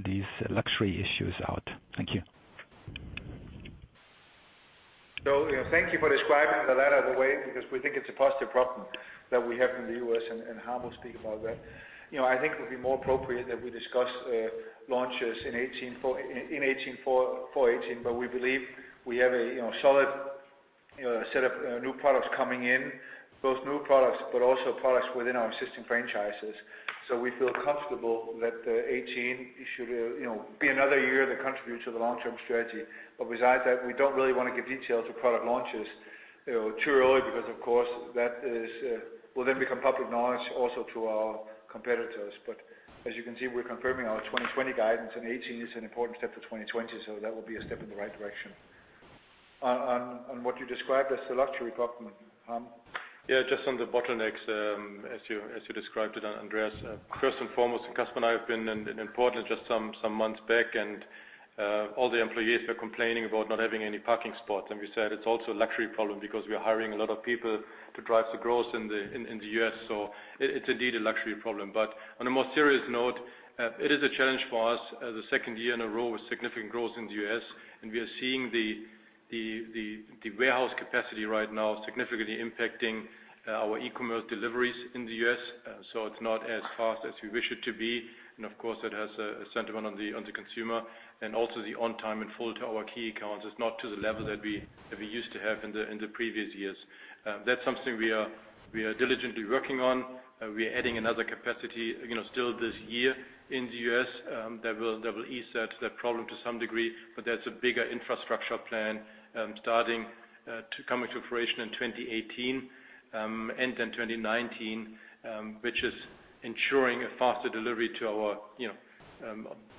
these luxury issues out? Thank you. Thank you for describing that out of the way, because we think it's a positive problem that we have in the U.S., and Harm will speak about that. I think it would be more appropriate that we discuss launches in 2018 for 2018. We believe we have a solid set of new products coming in, both new products but also products within our existing franchises. We feel comfortable that 2018 should be another year that contributes to the long-term strategy. Besides that, we don't really want to give details of product launches. Too early because, of course, that will then become public knowledge also to our competitors. As you can see, we're confirming our 2020 guidance, and 2018 is an important step for 2020. That will be a step in the right direction. On what you described as the luxury problem. Harm? Just on the bottlenecks, as you described it, Andreas. First and foremost, Kasper and I have been in Portland just some months back, and all the employees were complaining about not having any parking spots. We said it's also a luxury problem because we are hiring a lot of people to drive the growth in the U.S. It's indeed a luxury problem. On a more serious note, it is a challenge for us the second year in a row with significant growth in the U.S., and we are seeing the warehouse capacity right now significantly impacting our e-com deliveries in the U.S. It's not as fast as we wish it to be, and of course, it has a sentiment on the consumer and also the on-time and full to our key accounts is not to the level that we used to have in the previous years. That's something we are diligently working on. We are adding another capacity still this year in the U.S. that will ease that problem to some degree. That's a bigger infrastructure plan starting to come into fruition in 2018 and then 2019, which is ensuring a faster delivery to our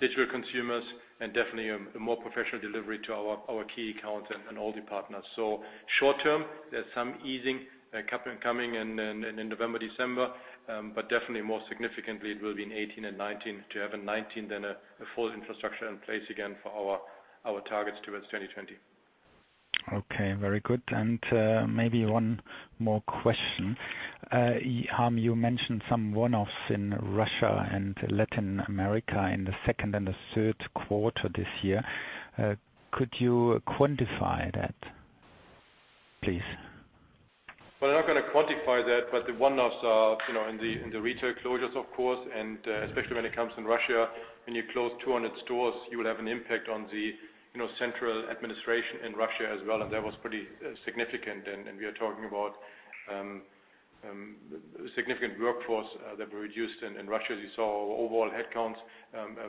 digital consumers and definitely a more professional delivery to our key accounts and all the partners. Short term, there's some easing coming in November, December. Definitely more significantly it will be in 2018 and 2019 to have in 2019 then a full infrastructure in place again for our targets towards 2020. Okay. Very good. Maybe one more question. Harm, you mentioned some one-offs in Russia and Latin America in the second and the third quarter this year. Could you quantify that, please? I'm not going to quantify that, but the one-offs are in the retail closures, of course. Especially when it comes in Russia, when you close 200 stores, you will have an impact on the central administration in Russia as well and that was pretty significant. We are talking about significant workforce that we reduced in Russia. You saw our overall headcounts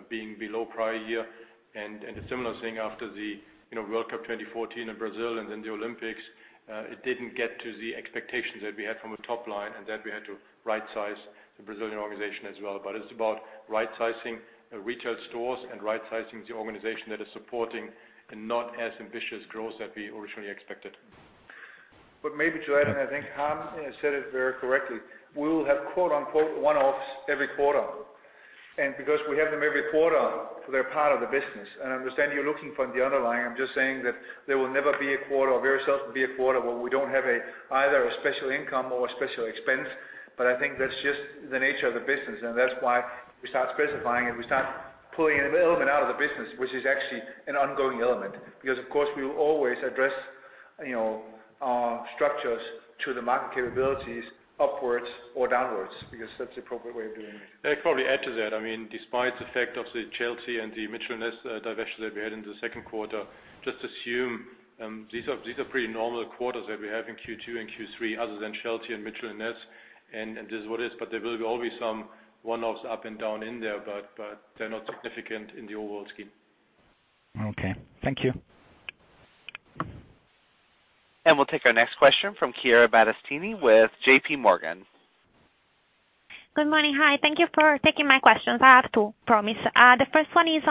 being below prior year. A similar thing after the World Cup 2014 in Brazil and then the Olympics. It didn't get to the expectations that we had from a top line and then we had to right size the Brazilian organization as well. It's about right sizing retail stores and right sizing the organization that is supporting a not as ambitious growth that we originally expected. Maybe to add, and I think Harm said it very correctly. We will have quote, unquote, "one-offs every quarter." Because we have them every quarter, they're part of the business. I understand you're looking from the underlying. I'm just saying that there will never be a quarter where we don't have either a special income or a special expense. I think that's just the nature of the business and that's why we start specifying it. We start pulling an element out of the business, which is actually an ongoing element. Of course, we will always address our structures to the market capabilities upwards or downwards because that's the appropriate way of doing it. I'd probably add to that. Despite the fact of the Chelsea and the Mitchell & Ness divestiture that we had in the second quarter, just assume these are pretty normal quarters that we have in Q2 and Q3 other than Chelsea and Mitchell & Ness and it is what it is. There will be always some one-offs up and down in there, but they're not significant in the overall scheme. Okay. Thank you. We'll take our next question from Chiara Battistini with J.P. Morgan. Good morning. Hi. Thank you for taking my questions. I have two, promise. The first one is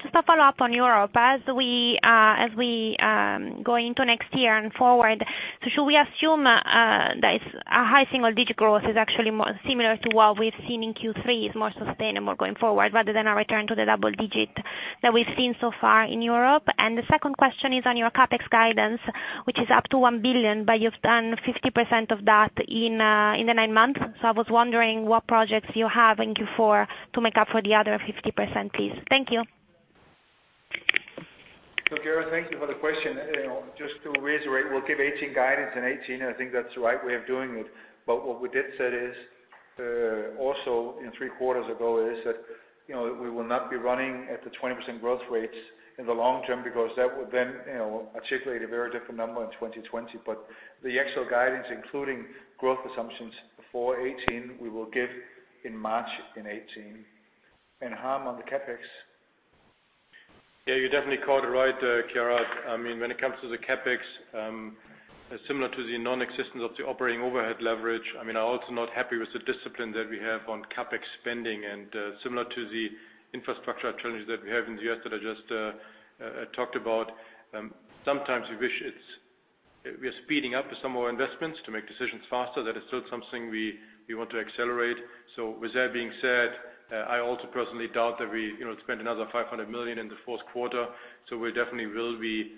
just a follow-up on Europe. As we go into next year and forward, should we assume that a high single-digit growth is actually more similar to what we've seen in Q3 is more sustainable going forward rather than a return to the double-digit that we've seen so far in Europe? The second question is on your CapEx guidance, which is up to 1 billion but you've done 50% of that in the nine months. I was wondering what projects you have in Q4 to make up for the other 50%, please. Thank you. Chiara, thank you for the question. Just to reiterate, we'll give 2018 guidance in 2018 and I think that's the right way of doing it. What we did said is, also in three quarters ago is that we will not be running at the 20% growth rates in the long term because that would then articulate a very different number in 2020. The actual guidance, including growth assumptions for 2018, we will give in March in 2018. Harm, on the CapEx. Yeah, you definitely caught it right, Chiara. When it comes to the CapEx, similar to the non-existence of the operating overhead leverage, I'm also not happy with the discipline that we have on CapEx spending and similar to the infrastructure challenges that we have in the U.S. that I just talked about. Sometimes we wish we are speeding up some more investments to make decisions faster. That is still something we want to accelerate. With that being said, I also personally doubt that we spend another 500 million in the fourth quarter. We definitely will be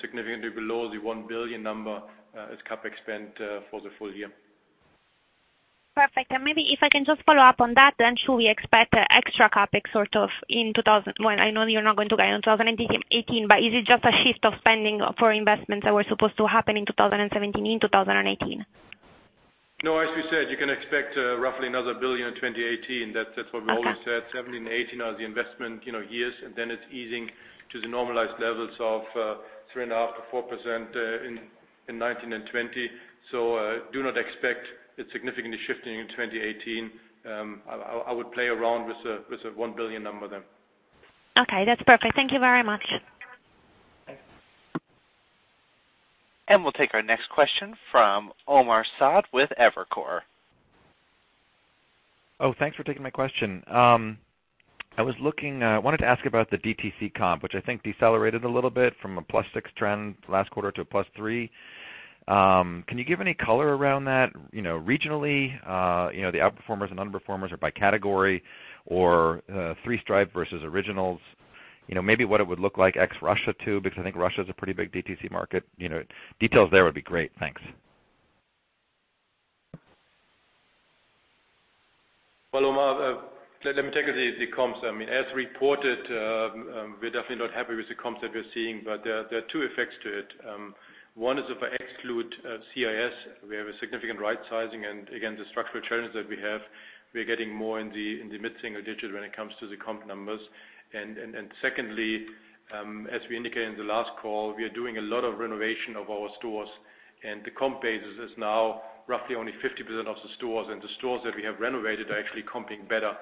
significantly below the 1 billion number as CapEx spend for the full year. Perfect. Maybe if I can just follow up on that then should we expect extra CapEx sort of in 2018. Well, I know you're not going to guide on 2018 but is it just a shift of spending for investments that were supposed to happen in 2017, in 2018? No, as we said, you can expect roughly another 1 billion in 2018. That's what we always said. 2017 and 2018 are the investment years, and then it's easing to the normalized levels of 3.5% to 4% in 2019 and 2020. Do not expect it significantly shifting in 2018. I would play around with the 1 billion number then. Okay. That's perfect. Thank you very much. Thanks. We'll take our next question from Omar Saad with Evercore. Thanks for taking my question. I wanted to ask about the DTC comp, which I think decelerated a little bit from a plus 6 trend last quarter to a plus 3. Can you give any color around that regionally, the out-performers and under-performers or by category or Three Stripe versus Originals? Maybe what it would look like ex-Russia, too, because I think Russia is a pretty big DTC market. Details there would be great. Thanks. Well, Omar, let me take the comps. As reported, we're definitely not happy with the comps that we're seeing, but there are 2 effects to it. One is if I exclude CIS, we have a significant right-sizing and again, the structural challenges that we have, we are getting more in the mid-single digit when it comes to the comp numbers. Secondly, as we indicated in the last call, we are doing a lot of renovation of our stores, and the comp basis is now roughly only 50% of the stores. The stores that we have renovated are actually comping better.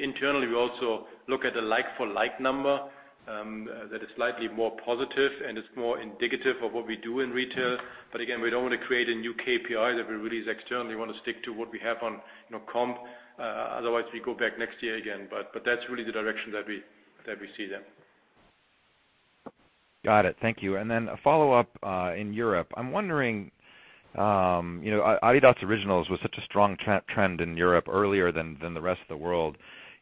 Internally, we also look at a like-for-like number that is slightly more positive, and it's more indicative of what we do in retail. Again, we don't want to create a new KPI that we release externally. We want to stick to what we have on comp. Otherwise, we go back next year again. That's really the direction that we see them. Got it. Thank you. A follow-up in Europe. I'm wondering, adidas Originals was such a strong trend in Europe earlier than the rest of the world.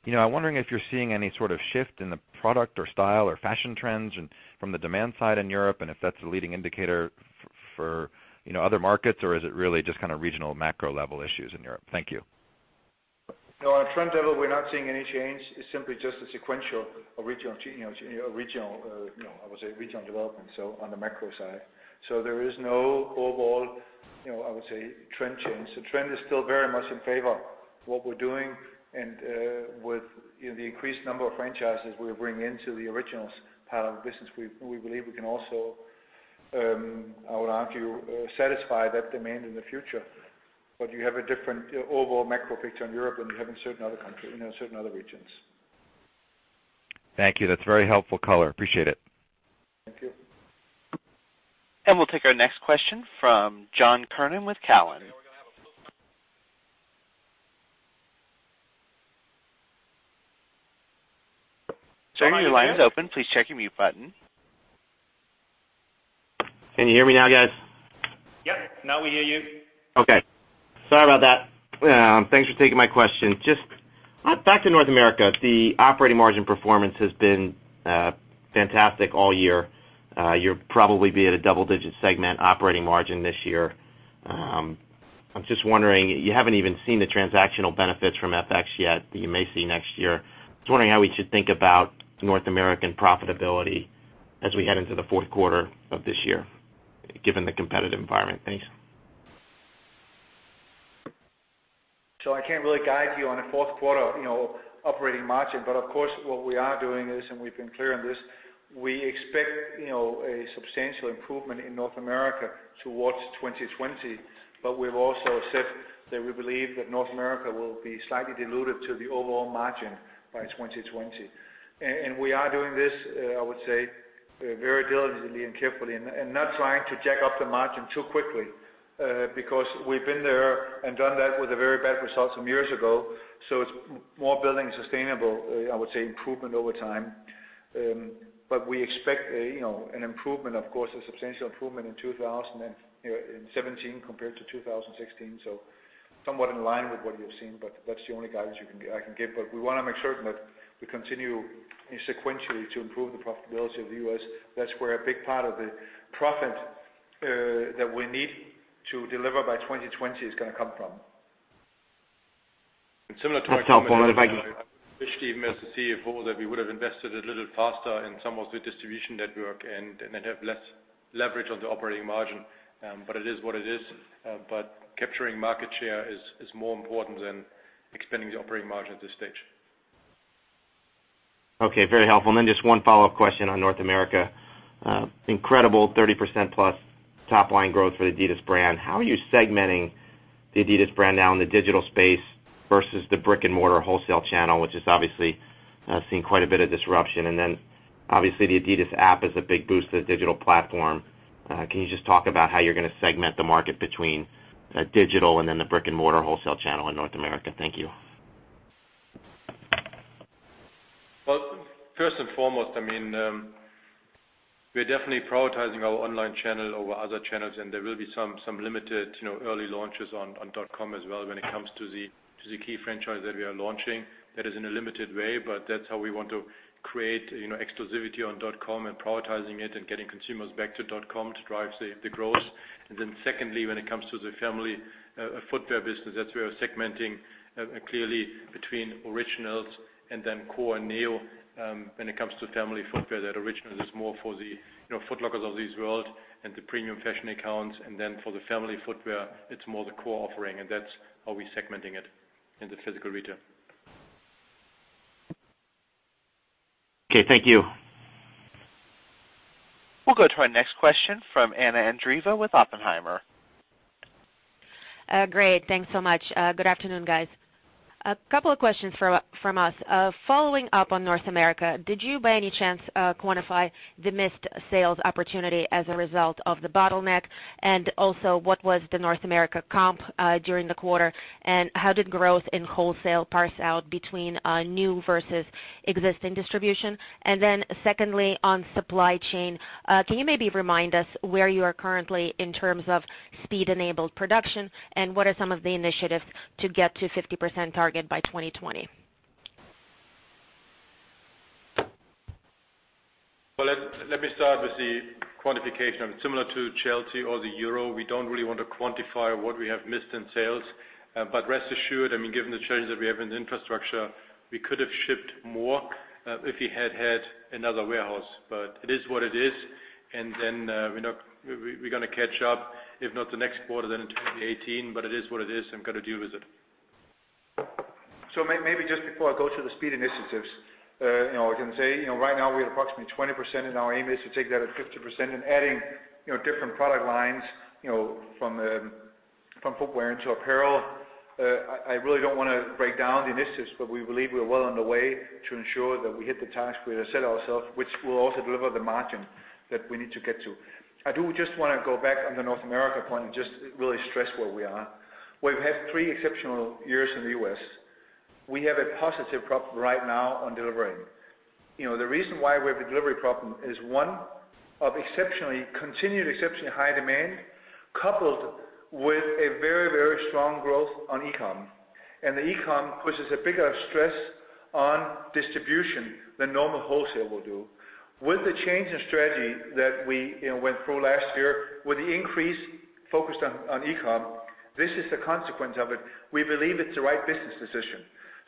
I'm wondering if you're seeing any sort of shift in the product or style or fashion trends from the demand side in Europe, and if that's a leading indicator for other markets, or is it really just regional macro level issues in Europe? Thank you. No, on a trend level, we're not seeing any change. It's simply just a sequential regional development on the macro side. There is no overall, I would say, trend change. The trend is still very much in favor of what we're doing. With the increased number of franchises we're bringing into the Originals part of the business, we believe we can also, I would argue, satisfy that demand in the future. You have a different overall macro picture in Europe than we have in certain other regions. Thank you. That's very helpful color. Appreciate it. Thank you. We'll take our next question from John Kernan with Cowen. Sir, your line is open. Please check your mute button. Can you hear me now, guys? Yep, now we hear you. Okay. Sorry about that. Thanks for taking my question. Just back to North America. The operating margin performance has been fantastic all year. You'll probably be at a double-digit segment operating margin this year. I'm just wondering, you haven't even seen the transactional benefits from FX yet that you may see next year. Just wondering how we should think about North American profitability as we head into the fourth quarter of this year, given the competitive environment. Thanks. I can't really guide you on a fourth quarter operating margin. Of course, what we are doing is, and we've been clear on this, we expect a substantial improvement in North America towards 2020. We've also said that we believe that North America will be slightly dilutive to the overall margin by 2020. We are doing this, I would say, very diligently and carefully and not trying to jack up the margin too quickly because we've been there and done that with very bad results some years ago. It's more building sustainable, I would say, improvement over time. We expect an improvement, of course, a substantial improvement in 2017 compared to 2016. Somewhat in line with what you're seeing, but that's the only guidance I can give. We want to make certain that we continue sequentially to improve the profitability of the U.S. That's where a big part of the profit that we need to deliver by 2020 is going to come from. That's helpful. Thank you. Similar to what I mentioned, I wish, Steven, as the CFO, that we would have invested a little faster in some of the distribution network and then have less leverage on the operating margin. It is what it is. Capturing market share is more important than expanding the operating margin at this stage. Okay. Very helpful. Just one follow-up question on North America. Incredible 30%+ top-line growth for the adidas brand. How are you segmenting the adidas brand now in the digital space versus the brick-and-mortar wholesale channel, which is obviously seeing quite a bit of disruption? Obviously the adidas app is a big boost to the digital platform. Can you just talk about how you're going to segment the market between digital and then the brick-and-mortar wholesale channel in North America? Thank you. Well, first and foremost, we're definitely prioritizing our online channel over other channels. There will be some limited early launches on .com as well when it comes to the key franchise that we are launching. That is in a limited way, but that's how we want to create exclusivity on .com and prioritizing it and getting consumers back to .com to drive the growth. Secondly, when it comes to the family footwear business, that's where we're segmenting clearly between Originals and then Core and Neo when it comes to family footwear. That Originals is more for the Foot Locker of this world and the premium fashion accounts. For the family footwear, it's more the Core offering, and that's how we're segmenting it in the physical retail. Okay, thank you. We'll go to our next question from Anna Andreeva with Oppenheimer. Great. Thanks so much. Good afternoon, guys. A couple of questions from us. Following up on North America, did you, by any chance, quantify the missed sales opportunity as a result of the bottleneck? Also, what was the North America comp during the quarter, and how did growth in wholesale parse out between new versus existing distribution? Secondly, on supply chain, can you maybe remind us where you are currently in terms of speed-enabled production, and what are some of the initiatives to get to 50% target by 2020? Well, let me start with the quantification. Similar to Chelsea or the EUR, we don't really want to quantify what we have missed in sales. Rest assured, given the challenges that we have in infrastructure, we could have shipped more, if we had had another warehouse. It is what it is. We're going to catch up, if not the next quarter, then in 2018. It is what it is, and got to deal with it. Maybe just before I go to the speed initiatives, I can say, right now we have approximately 20%, and our aim is to take that at 50% and adding different product lines, from footwear into apparel. I really don't want to break down the initiatives, but we believe we are well on the way to ensure that we hit the task we have set ourselves, which will also deliver the margin that we need to get to. I do just want to go back on the North America point and just really stress where we are. We've had three exceptional years in the U.S. We have a positive problem right now on delivery. The reason why we have a delivery problem is, one, of continued exceptionally high demand, coupled with a very strong growth on e-com. The e-com pushes a bigger stress on distribution than normal wholesale will do. With the change in strategy that we went through last year, with the increase focused on e-com, this is the consequence of it. We believe it's the right business decision.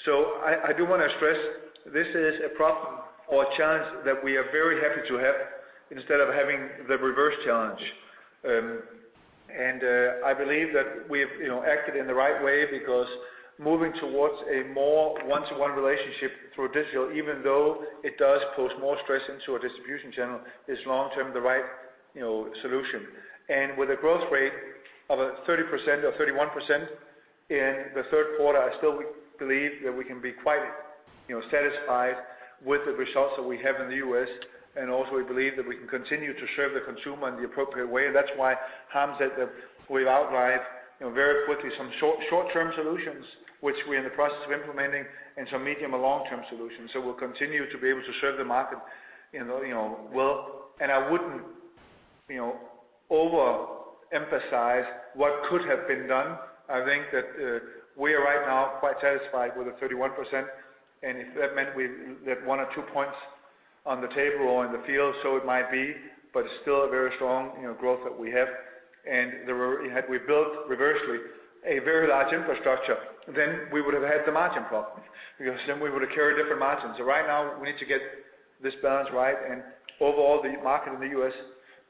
I do want to stress, this is a problem or a challenge that we are very happy to have instead of having the reverse challenge. I believe that we've acted in the right way because moving towards a more one-to-one relationship through digital, even though it does pose more stress into a distribution channel, is long-term the right solution. With a growth rate of 30% or 31% in the third quarter, I still believe that we can be quite satisfied with the results that we have in the U.S., and also we believe that we can continue to serve the consumer in the appropriate way. That's why Harm said that we've outlined very quickly some short-term solutions, which we're in the process of implementing, and some medium or long-term solutions. We'll continue to be able to serve the market well. I wouldn't overemphasize what could have been done. I think that we are right now quite satisfied with the 31%, and if that meant we had one or two points on the table or in the field, so it might be, but it's still a very strong growth that we have. Had we built, reversely, a very large infrastructure, then we would have had the margin problem, because then we would have carried different margins. Right now, we need to get this balance right. Overall, the market in the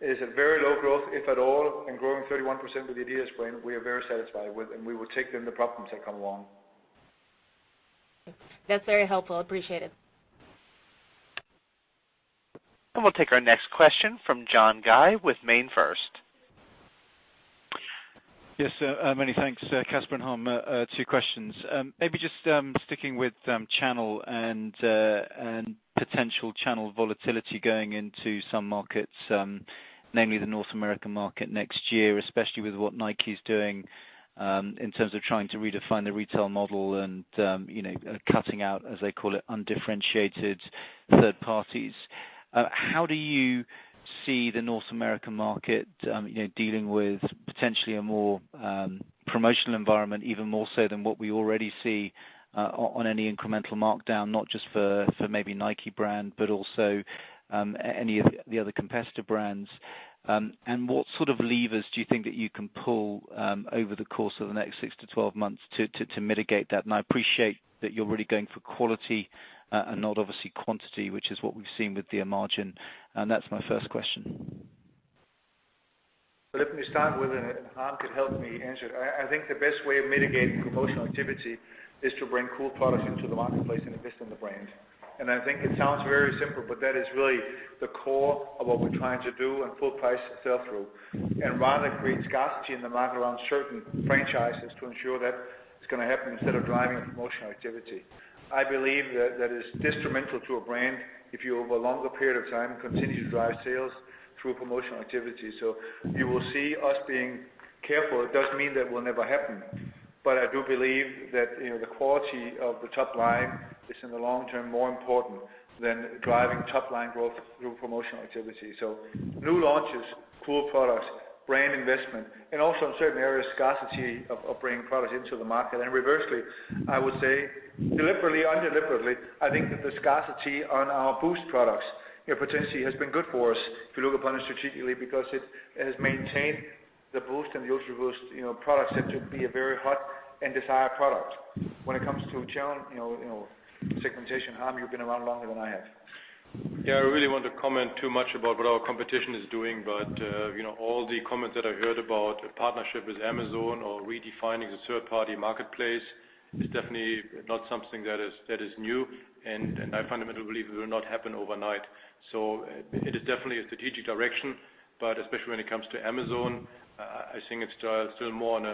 U.S. is a very low growth, if at all, and growing 31% with the adidas brand, we are very satisfied with, and we will take then the problems that come along. That's very helpful. Appreciate it. We'll take our next question from John Guy with MainFirst. Yes, sir. Many thanks, Kasper and Harm. Two questions. Sticking with channel and potential channel volatility going into some markets, namely the North American market next year, especially with what Nike's doing in terms of trying to redefine the retail model and cutting out, as they call it, undifferentiated third parties. How do you see the North American market dealing with potentially a more promotional environment, even more so than what we already see on any incremental markdown, not just for maybe Nike brand, but also any of the other competitor brands? What sort of levers do you think that you can pull over the course of the next 6 to 12 months to mitigate that? I appreciate that you're really going for quality and not obviously quantity, which is what we've seen with the margin. That's my first question. Let me start with it, Harm could help me answer. I think the best way of mitigating promotional activity is to bring cool products into the marketplace and invest in the brand. I think it sounds very simple, but that is really the core of what we're trying to do in full price and sell-through. Rather create scarcity in the market around certain franchises to ensure that it's going to happen instead of driving a promotional activity. I believe that that is detrimental to a brand if you, over a longer period of time, continue to drive sales through promotional activity. You will see us being careful. It doesn't mean that will never happen. I do believe that the quality of the top line is in the long term more important than driving top-line growth through promotional activity. New launches, cool products, brand investment, and also in certain areas, scarcity of bringing products into the market. Reversely, I would say deliberately, undeliberately, I think that the scarcity on our Boost products potentially has been good for us, if you look upon it strategically, because it has maintained the Boost and the Ultra Boost products to be a very hot and desired product. When it comes to channel segmentation, Harm, you've been around longer than I have. I really want to comment too much about what our competition is doing, but all the comments that I heard about a partnership with Amazon or redefining the third-party marketplace is definitely not something that is new, and I fundamentally believe it will not happen overnight. It is definitely a strategic direction, but especially when it comes to Amazon I think it's still more on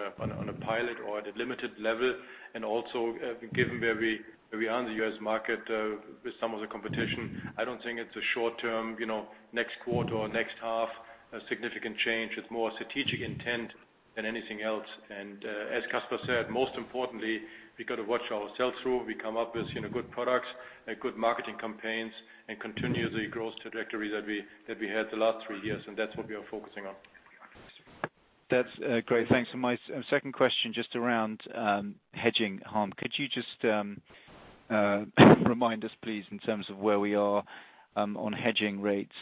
a pilot or at a limited level. Also, given where we are in the U.S. market with some of the competition, I don't think it's a short term, next quarter or next half, a significant change. It's more strategic intent than anything else. As Kasper said, most importantly, we got to watch our sell-through. We come up with good products and good marketing campaigns and continue the growth trajectory that we had the last three years, and that's what we are focusing on. That's great. Thanks. My second question, just around hedging, Harm. Could you just remind us, please, in terms of where we are on hedging rates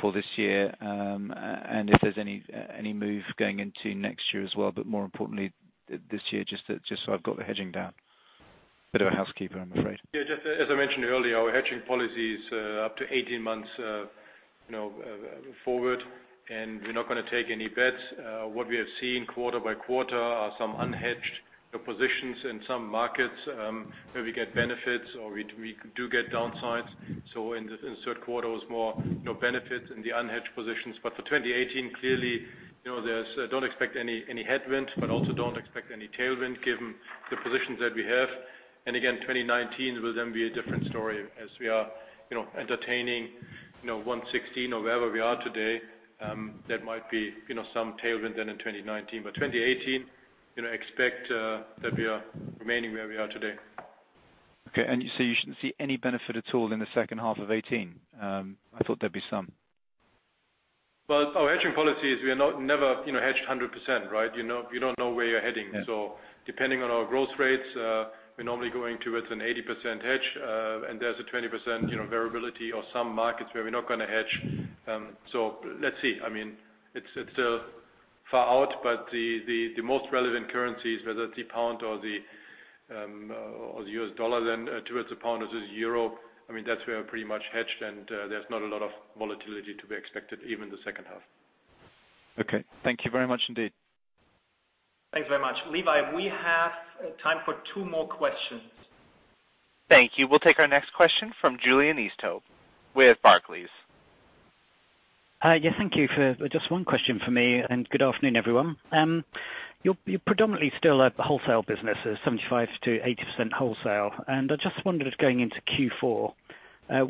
for this year, and if there's any move going into next year as well, but more importantly this year, just so I've got the hedging down. Bit of a housekeeper, I'm afraid. Just as I mentioned earlier, our hedging policy is up to 18 months forward, we're not going to take any bets. What we have seen quarter by quarter are some unhedged positions in some markets, where we get benefits or we do get downsides. In the third quarter was more benefits in the unhedged positions. For 2018, clearly, don't expect any headwind, but also don't expect any tailwind given the positions that we have. Again, 2019 will then be a different story as we are entertaining, 160 or wherever we are today. That might be some tailwind then in 2019. 2018, expect that we are remaining where we are today. You shouldn't see any benefit at all in the second half of 2018? I thought there'd be some. Well, our hedging policy is we are never hedged 100%, right? You don't know where you're heading. Yeah. Depending on our growth rates, we're normally going towards an 80% hedge. There's a 20% variability or some markets where we're not going to hedge. Let's see. It's still far out, but the most relevant currencies, whether it's the pound or the US dollar, then towards the pound or the euro, that's where we are pretty much hedged, and there's not a lot of volatility to be expected, even the second half. Okay. Thank you very much indeed. Thanks very much. Levi, we have time for two more questions. Thank you. We'll take our next question from Julian Easthope with Barclays. Hi. Thank you. Just one question from me, good afternoon, everyone. You're predominantly still a wholesale business, 75%-80% wholesale. I just wondered if going into Q4,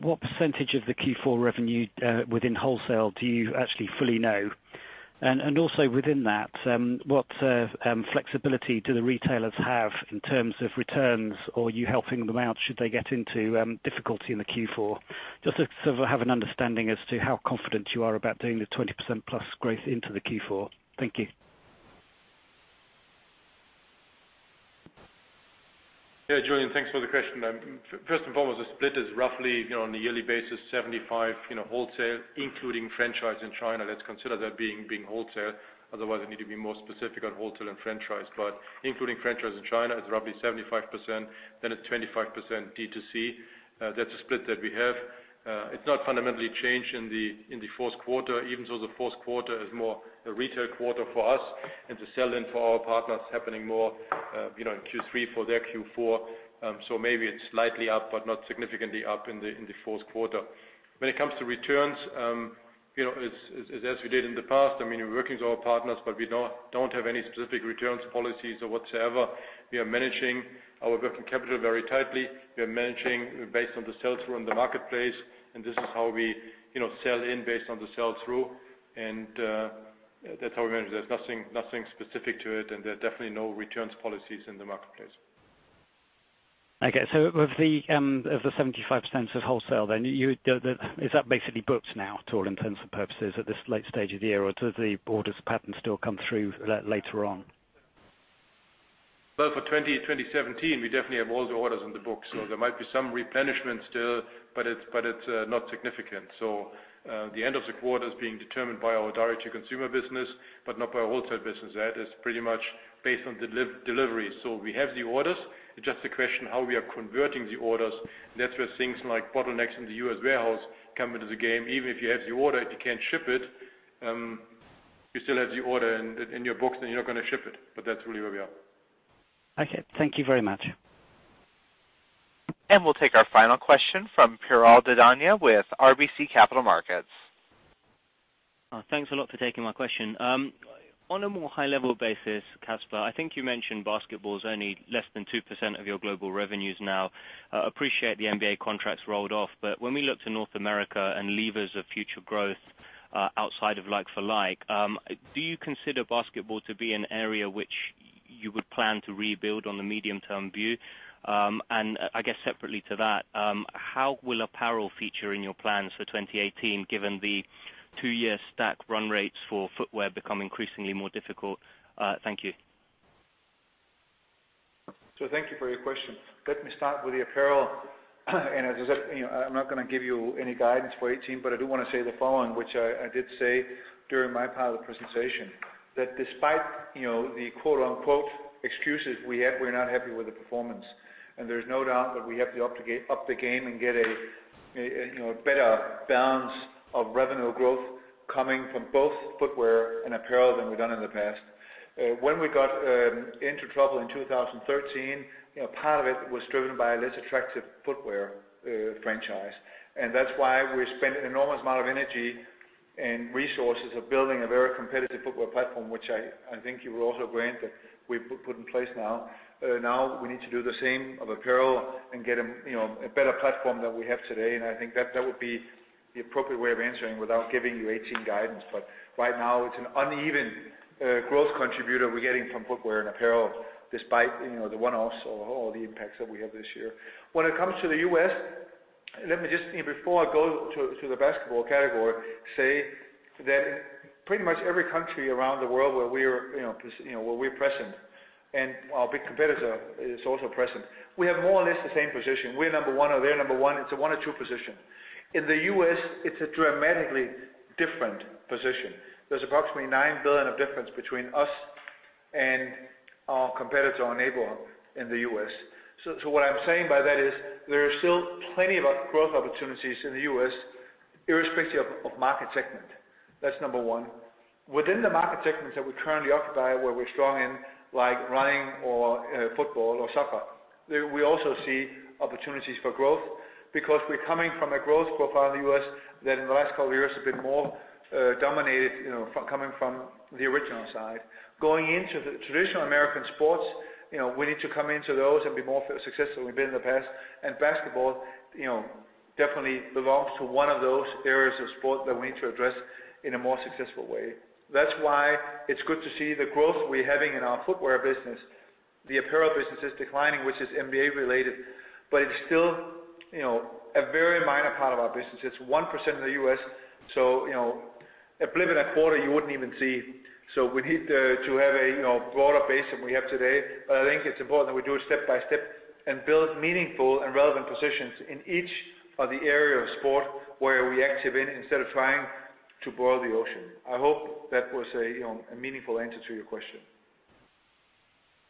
what percentage of the Q4 revenue within wholesale do you actually fully know? Also within that, what flexibility do the retailers have in terms of returns or you helping them out should they get into difficulty in the Q4? Just to sort of have an understanding as to how confident you are about doing the 20%+ growth into the Q4. Thank you. Julian. Thanks for the question. First and foremost, the split is roughly, on a yearly basis, 75% wholesale, including franchise in China. Let's consider that being wholesale. Otherwise, we need to be more specific on wholesale and franchise. Including franchise in China, it's roughly 75%, then it's 25% D2C. That's a split that we have. It's not fundamentally changed in the fourth quarter, even though the fourth quarter is more a retail quarter for us and the sell-in for our partners happening more in Q3 for their Q4. Maybe it's slightly up but not significantly up in the fourth quarter. When it comes to returns, as we did in the past, we're working with our partners, but we don't have any specific returns policies or whatsoever. We are managing our working capital very tightly. We are managing based on the sell-through in the marketplace, this is how we sell in based on the sell-through. That's how we manage. There's nothing specific to it, there are definitely no returns policies in the marketplace. Okay. Of the 75% of wholesale, is that basically booked now to all intents and purposes at this late stage of the year? Or do the orders pattern still come through later on? Well, for 2017, we definitely have all the orders in the books. There might be some replenishment still, but it's not significant. The end of the quarter is being determined by our direct-to-consumer business but not by our wholesale business. That is pretty much based on delivery. We have the orders. It's just a question how we are converting the orders. That's where things like bottlenecks in the U.S. warehouse come into the game. Even if you have the order, if you can't ship it, you still have the order in your books, and you're not going to ship it. That's really where we are. Okay. Thank you very much. We'll take our final question from Piral Dadhania with RBC Capital Markets. Thanks a lot for taking my question. On a more high-level basis, Kasper, I think you mentioned basketball is only less than 2% of your global revenues now. Appreciate the NBA contracts rolled off, but when we look to North America and levers of future growth, outside of like for like, do you consider basketball to be an area which you would plan to rebuild on the medium-term view? How will apparel feature in your plans for 2018 given the two-year stack run rates for footwear become increasingly more difficult? Thank you. Thank you for your question. Let me start with the apparel. As I said, I'm not going to give you any guidance for 2018, but I do want to say the following, which I did say during my part of the presentation, that despite the quote unquote, excuses, we're not happy with the performance. There's no doubt that we have to up the game and get a better balance of revenue growth coming from both footwear and apparel than we've done in the past. When we got into trouble in 2013, part of it was driven by a less attractive footwear franchise, and that's why we spent an enormous amount of energy resources of building a very competitive footwear platform, which I think you will also grant that we've put in place now. Now we need to do the same of apparel and get a better platform than we have today, and I think that would be the appropriate way of answering without giving you 2018 guidance. Right now, it's an uneven growth contributor we're getting from footwear and apparel, despite the one-offs or all the impacts that we have this year. When it comes to the U.S., let me just, before I go to the basketball category, say that pretty much every country around the world where we're present and our big competitor is also present, we have more or less the same position. We're number 1 or they're number 1, it's a 1 or 2 position. In the U.S., it's a dramatically different position. There's approximately 9 billion of difference between us and our competitor, our neighbor, in the U.S. What I'm saying by that is there are still plenty of growth opportunities in the U.S. irrespective of market segment. That's number 1. Within the market segments that we currently occupy, where we're strong in like running or football or soccer, we also see opportunities for growth because we're coming from a growth profile in the U.S. that in the last couple of years has been more dominated, coming from the Originals side. Going into the traditional American sports, we need to come into those and be more successful than we've been in the past. Basketball definitely belongs to one of those areas of sport that we need to address in a more successful way. That's why it's good to see the growth we're having in our footwear business. The apparel business is declining, which is NBA-related, but it's still a very minor part of our business. It's 1% of the U.S., so a blip in a quarter you wouldn't even see. We need to have a broader base than we have today. I think it's important that we do it step by step and build meaningful and relevant positions in each of the area of sport where we active in, instead of trying to boil the ocean. I hope that was a meaningful answer to your question.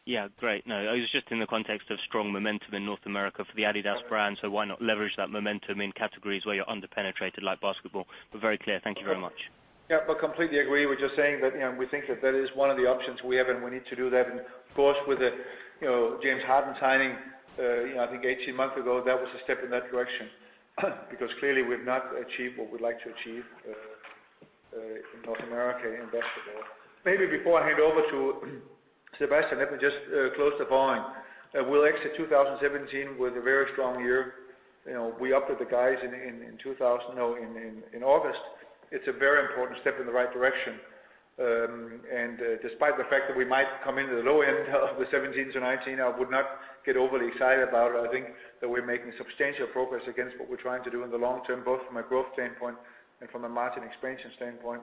Yeah. Great. No, it was just in the context of strong momentum in North America for the adidas brand, why not leverage that momentum in categories where you're under-penetrated, like basketball. Very clear. Thank you very much. Completely agree with your saying that we think that that is one of the options we have, and we need to do that. Of course, with the James Harden signing, I think 18 month ago, that was a step in that direction. Clearly we've not achieved what we'd like to achieve in North America in basketball. Maybe before I hand over to Sebastian, let me just close the point. We'll exit 2017 with a very strong year. We upped the guides in August. It's a very important step in the right direction. Despite the fact that we might come into the low end of the 17%-19%, I would not get overly excited about it. I think that we're making substantial progress against what we're trying to do in the long term, both from a growth standpoint and from a margin expansion standpoint.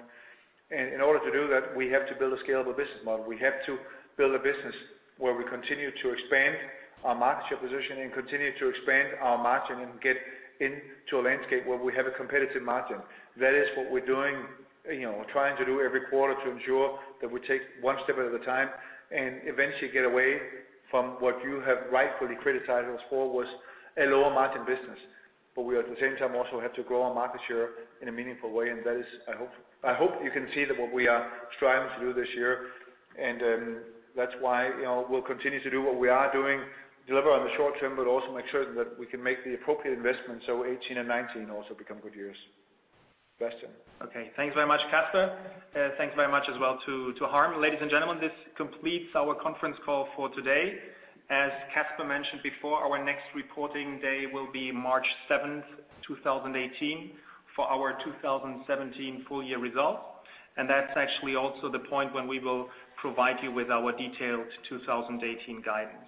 In order to do that, we have to build a scalable business model. We have to build a business where we continue to expand our market share position and continue to expand our margin and get into a landscape where we have a competitive margin. That is what we're doing, trying to do every quarter to ensure that we take one step at a time and eventually get away from what you have rightfully criticized us for, was a lower margin business. We, at the same time, also have to grow our market share in a meaningful way. That is, I hope you can see that what we are striving to do this year, and that's why we'll continue to do what we are doing, deliver on the short term, but also make sure that we can make the appropriate investments so 2018 and 2019 also become good years. Sebastian. Okay. Thanks very much, Kasper. Thanks very much as well to Harm. Ladies and gentlemen, this completes our conference call for today. As Kasper mentioned before, our next reporting day will be March 7th, 2018, for our 2017 full year results. That's actually also the point when we will provide you with our detailed 2018 guidance.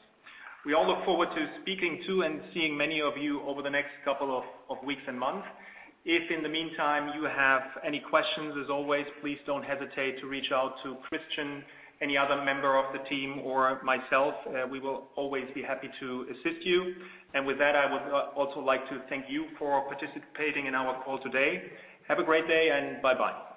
We all look forward to speaking to and seeing many of you over the next couple of weeks and months. If in the meantime, you have any questions, as always, please don't hesitate to reach out to Christian, any other member of the team, or myself. We will always be happy to assist you. With that, I would also like to thank you for participating in our call today. Have a great day, and bye-bye.